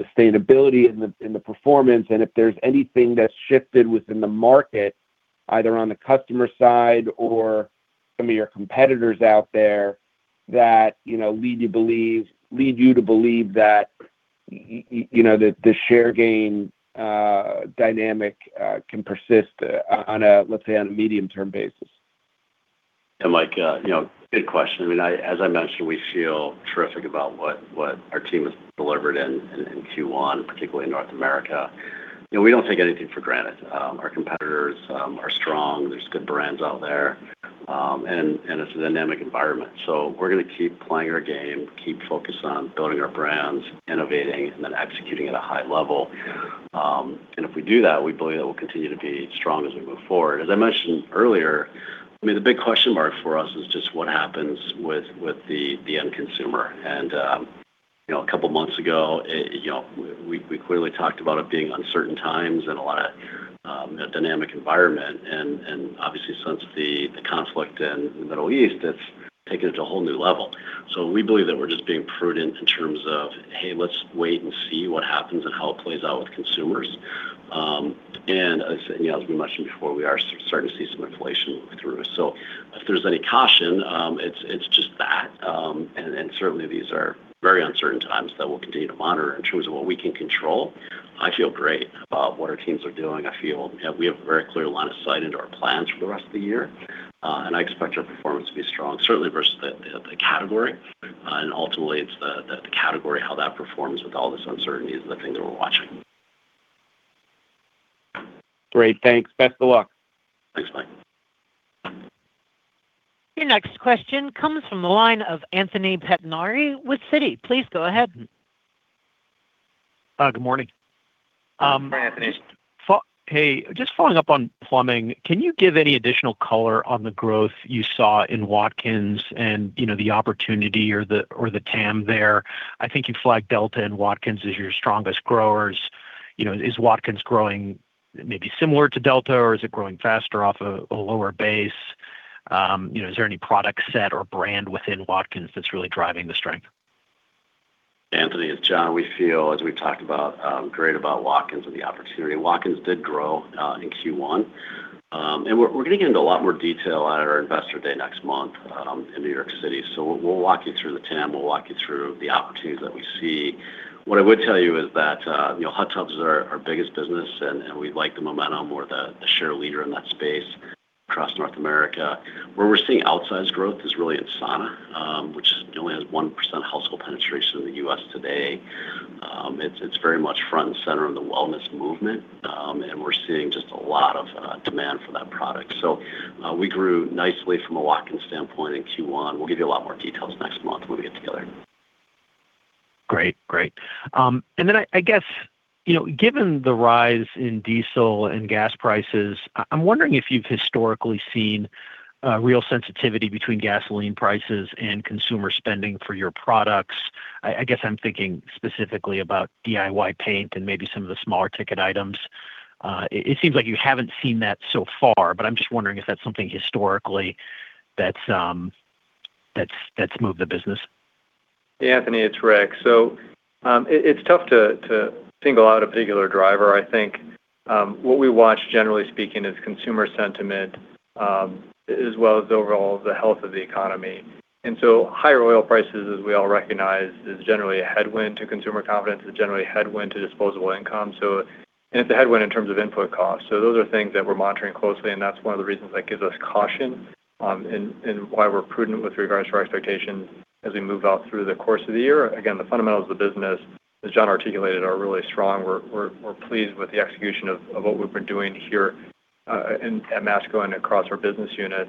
sustainability in the performance and if there's anything that's shifted within the market, either on the customer side or some of your competitors out there that lead you to believe that the share gain dynamic can persist on a, let's say, on a medium-term basis?
Mike, good question. As I mentioned, we feel terrific about what our team has delivered in Q1, particularly in North America. We don't take anything for granted. Our competitors are strong. There's good brands out there, and it's a dynamic environment. We're going to keep playing our game, keep focused on building our brands, innovating, and then executing at a high level. If we do that, we believe that we'll continue to be strong as we move forward. As I mentioned earlier, the big question mark for us is just what happens with the end consumer. A couple of months ago, we clearly talked about it being uncertain times and a lot of dynamic environment. Obviously since the conflict in the Middle East, it's taken it to a whole new level. We believe that we're just being prudent in terms of, hey, let's wait and see what happens and how it plays out with consumers. As we mentioned before, we are starting to see some inflation through. If there's any caution, it's just that. Certainly these are very uncertain times that we'll continue to monitor. In terms of what we can control, I feel great about what our teams are doing. I feel we have a very clear line of sight into our plans for the rest of the year, and I expect our performance to be strong, certainly versus the category. Ultimately it's the category, how that performs with all this uncertainty is the thing that we're watching.
Great. Thanks. Best of luck.
Thanks, Mike.
Your next question comes from the line of Anthony Pettinari with Citi. Please go ahead.
Good morning.
Hi, Anthony.
Hey, just following up on plumbing, can you give any additional color on the growth you saw in Watkins and the opportunity or the TAM there? I think you flagged Delta and Watkins as your strongest growers. Is Watkins growing maybe similar to Delta or is it growing faster off of a lower base? Is there any product set or brand within Watkins that's really driving the strength?
Anthony, it's Jon. We feel, as we've talked great about Watkins and the opportunity. Walk-ins did grow in Q1. We're going to get into a lot more detail at our investor day next month in New York City. We'll walk you through the TAM, we'll walk you through the opportunities that we see. What I would tell you is that hot tubs are our biggest business, and we like the momentum. We're the clear leader in that space across North America. Where we're seeing outsized growth is really in sauna, which only has 1% household penetration in the U.S. today. It's very much front and center in the wellness movement, and we're seeing just a lot of demand for that product. We grew nicely from a walk-in standpoint in Q1. We'll give you a lot more details next month when we get together.
Great. I guess, given the rise in diesel and gas prices, I'm wondering if you've historically seen real sensitivity between gasoline prices and consumer spending for your products. I guess I'm thinking specifically about DIY paint and maybe some of the smaller ticket items. It seems like you haven't seen that so far, but I'm just wondering if that's something historically that's moved the business.
Anthony, it's Rick. It's tough to single out a particular driver. I think, what we watch, generally speaking, is consumer sentiment, as well as overall the health of the economy. Higher oil prices, as we all recognize, is generally a headwind to consumer confidence, is generally a headwind to disposable income. It's a headwind in terms of input costs. Those are things that we're monitoring closely, and that's one of the reasons that gives us caution and why we're prudent with regards to our expectations as we move out through the course of the year. Again, the fundamentals of the business, as Jon articulated, are really strong. We're pleased with the execution of what we've been doing here at Masco and across our business unit.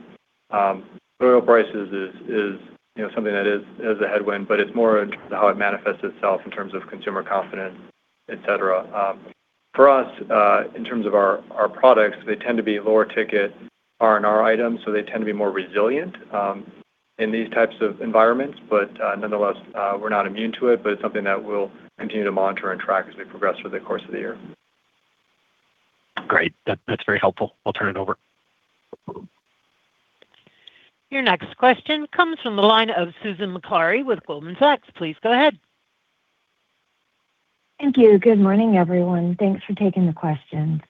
Oil prices is something that is a headwind, but it's more how it manifests itself in terms of consumer confidence, et cetera. For us, in terms of our products, they tend to be lower ticket R&R items, so they tend to be more resilient in these types of environments. Nonetheless, we're not immune to it, but it's something that we'll continue to monitor and track as we progress through the course of the year.
Great. That's very helpful. I'll turn it over.
Your next question comes from the line of Susan Maklari with Goldman Sachs. Please go ahead.
Thank you. Good morning, everyone. Thanks for taking the questions.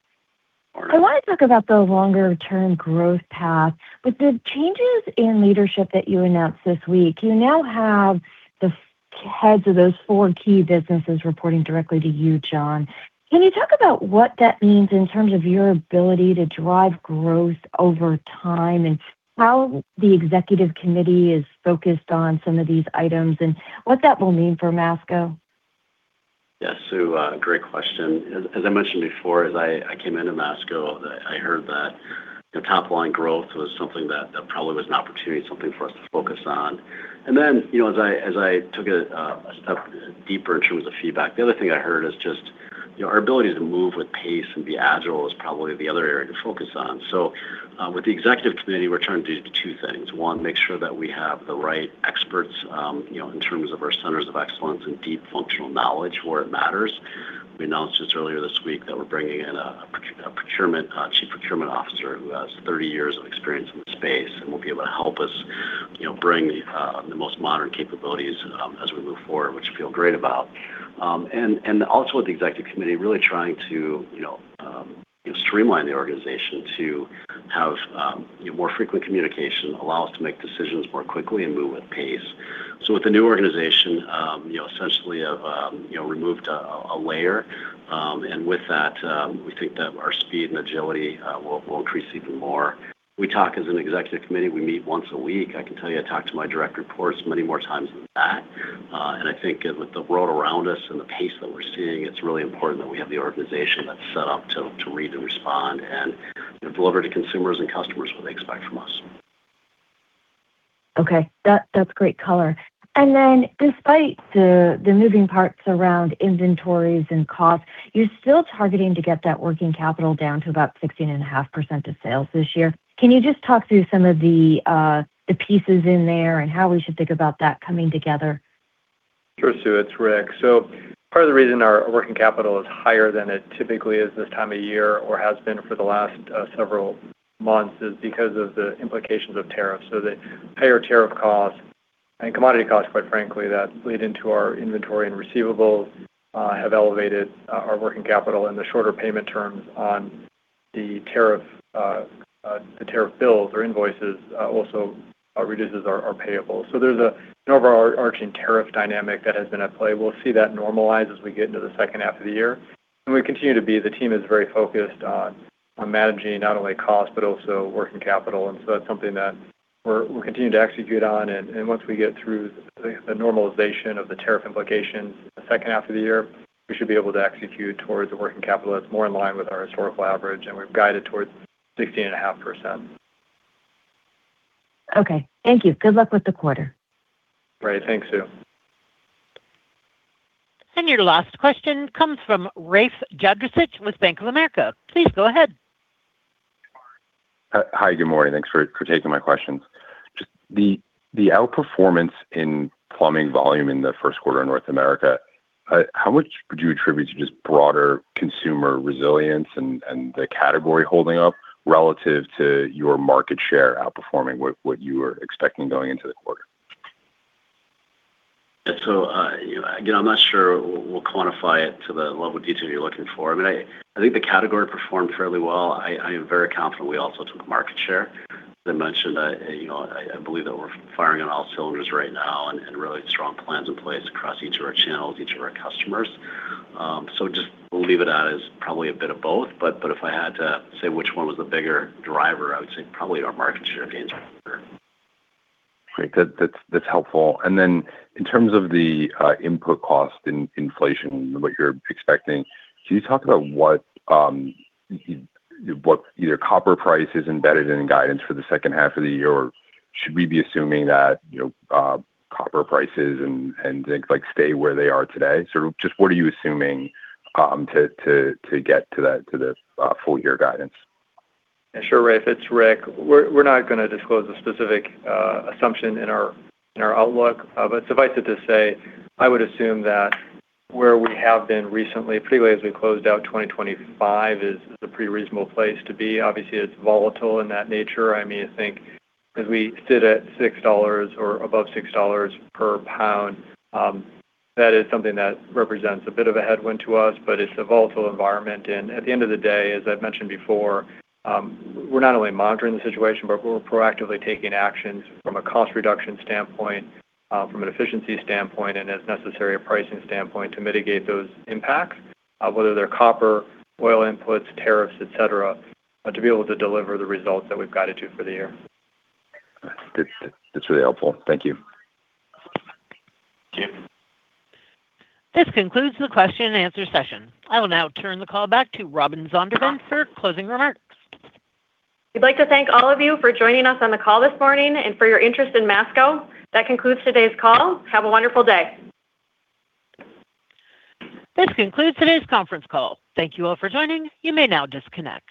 Good morning.
I want to talk about the longer-term growth path. With the changes in leadership that you announced this week, you now have the heads of those four key businesses reporting directly to you, Jon. Can you talk about what that means in terms of your ability to drive growth over time, and how the Executive Committee is focused on some of these items, and what that will mean for Masco?
Yes, Sue, great question. As I mentioned before, as I came into Masco, I heard that the top-line growth was something that probably was an opportunity, something for us to focus on. Then, as I took a step deeper in terms of feedback, the other thing I heard is just our ability to move with pace and be agile is probably the other area to focus on. With the Executive Committee, we're trying to do two things. One, make sure that we have the right experts in terms of our centers of excellence and deep functional knowledge where it matters. We announced just earlier this week that we're bringing in a chief procurement officer who has 30 years of experience in the space and will be able to help us bring the most modern capabilities as we move forward, which I feel great about. Also with the Executive Committee, really trying to streamline the organization to have more frequent communication, allow us to make decisions more quickly, and move with pace. With the new organization, essentially have removed a layer. With that, we think that our speed and agility will increase even more. We talk as an Executive Committee, we meet once a week. I can tell you I talk to my direct reports many more times than that. I think with the world around us and the pace that we're seeing, it's really important that we have the organization that's set up to read and respond and deliver to consumers and customers what they expect from us.
Okay. That's great color. Despite the moving parts around inventories and costs, you're still targeting to get that working capital down to about 16.5% of sales this year. Can you just talk through some of the pieces in there and how we should think about that coming together?
Sure, Sue. It's Rick. Part of the reason our working capital is higher than it typically is this time of year or has been for the last several months is because of the implications of tariffs. The higher tariff costs and commodity costs, quite frankly, that bleed into our inventory and receivables, have elevated our working capital and the shorter payment terms on the tariff bills or invoices also reduces our payables. There's an overarching tariff dynamic that has been at play. We'll see that normalize as we get into the second half of the year. We continue to be, the team is very focused on managing not only costs, but also working capital. That's something that we'll continue to execute on, and once we get through the normalization of the tariff implications the second half of the year, we should be able to execute towards a working capital that's more in line with our historical average, and we've guided towards 16.5%.
Okay. Thank you. Good luck with the quarter.
Great. Thanks, Sue.
Your last question comes from Rafe Jadrosich with Bank of America. Please go ahead.
Hi, good morning. Thanks for taking my questions. Just the outperformance in plumbing volume in the first quarter in North America. How much would you attribute to just broader consumer resilience and the category holding up relative to your market share outperforming what you were expecting going into the quarter?
Again, I'm not sure we'll quantify it to the level of detail you're looking for. I think the category performed fairly well. I am very confident we also took market share. As I mentioned, I believe that we're firing on all cylinders right now and really strong plans in place across each of our channels, each of our customers. Just we'll leave it at is probably a bit of both, but if I had to say which one was the bigger driver, I would say probably our market share gains are bigger.
Great. That's helpful. In terms of the input cost and inflation and what you're expecting, can you talk about what either copper price is embedded in guidance for the second half of the year? Or should we be assuming that copper prices and zinc stay where they are today? Sort of just what are you assuming to get to the full year guidance?
Sure, Rafe, it's Rick. We're not going to disclose a specific assumption in our outlook. Suffice it to say, I would assume that where we have been recently, pretty well as we closed out 2025 is a pretty reasonable place to be. Obviously, it's volatile in that nature. I think as we sit at $6 or above $6 per pound, that is something that represents a bit of a headwind to us, but it's a volatile environment. And at the end of the day, as I've mentioned before, we're not only monitoring the situation, but we're proactively taking actions from a cost reduction standpoint, from an efficiency standpoint, and as necessary, a pricing standpoint to mitigate those impacts, whether they're copper, oil inputs, tariffs, et cetera, to be able to deliver the results that we've guided to for the year.
That's really helpful. Thank you.
Thank you.
This concludes the question and answer session. I will now turn the call back to Robin Zondervan for closing remarks.
We'd like to thank all of you for joining us on the call this morning and for your interest in Masco. That concludes today's call. Have a wonderful day.
This concludes today's conference call. Thank you all for joining. You may now disconnect.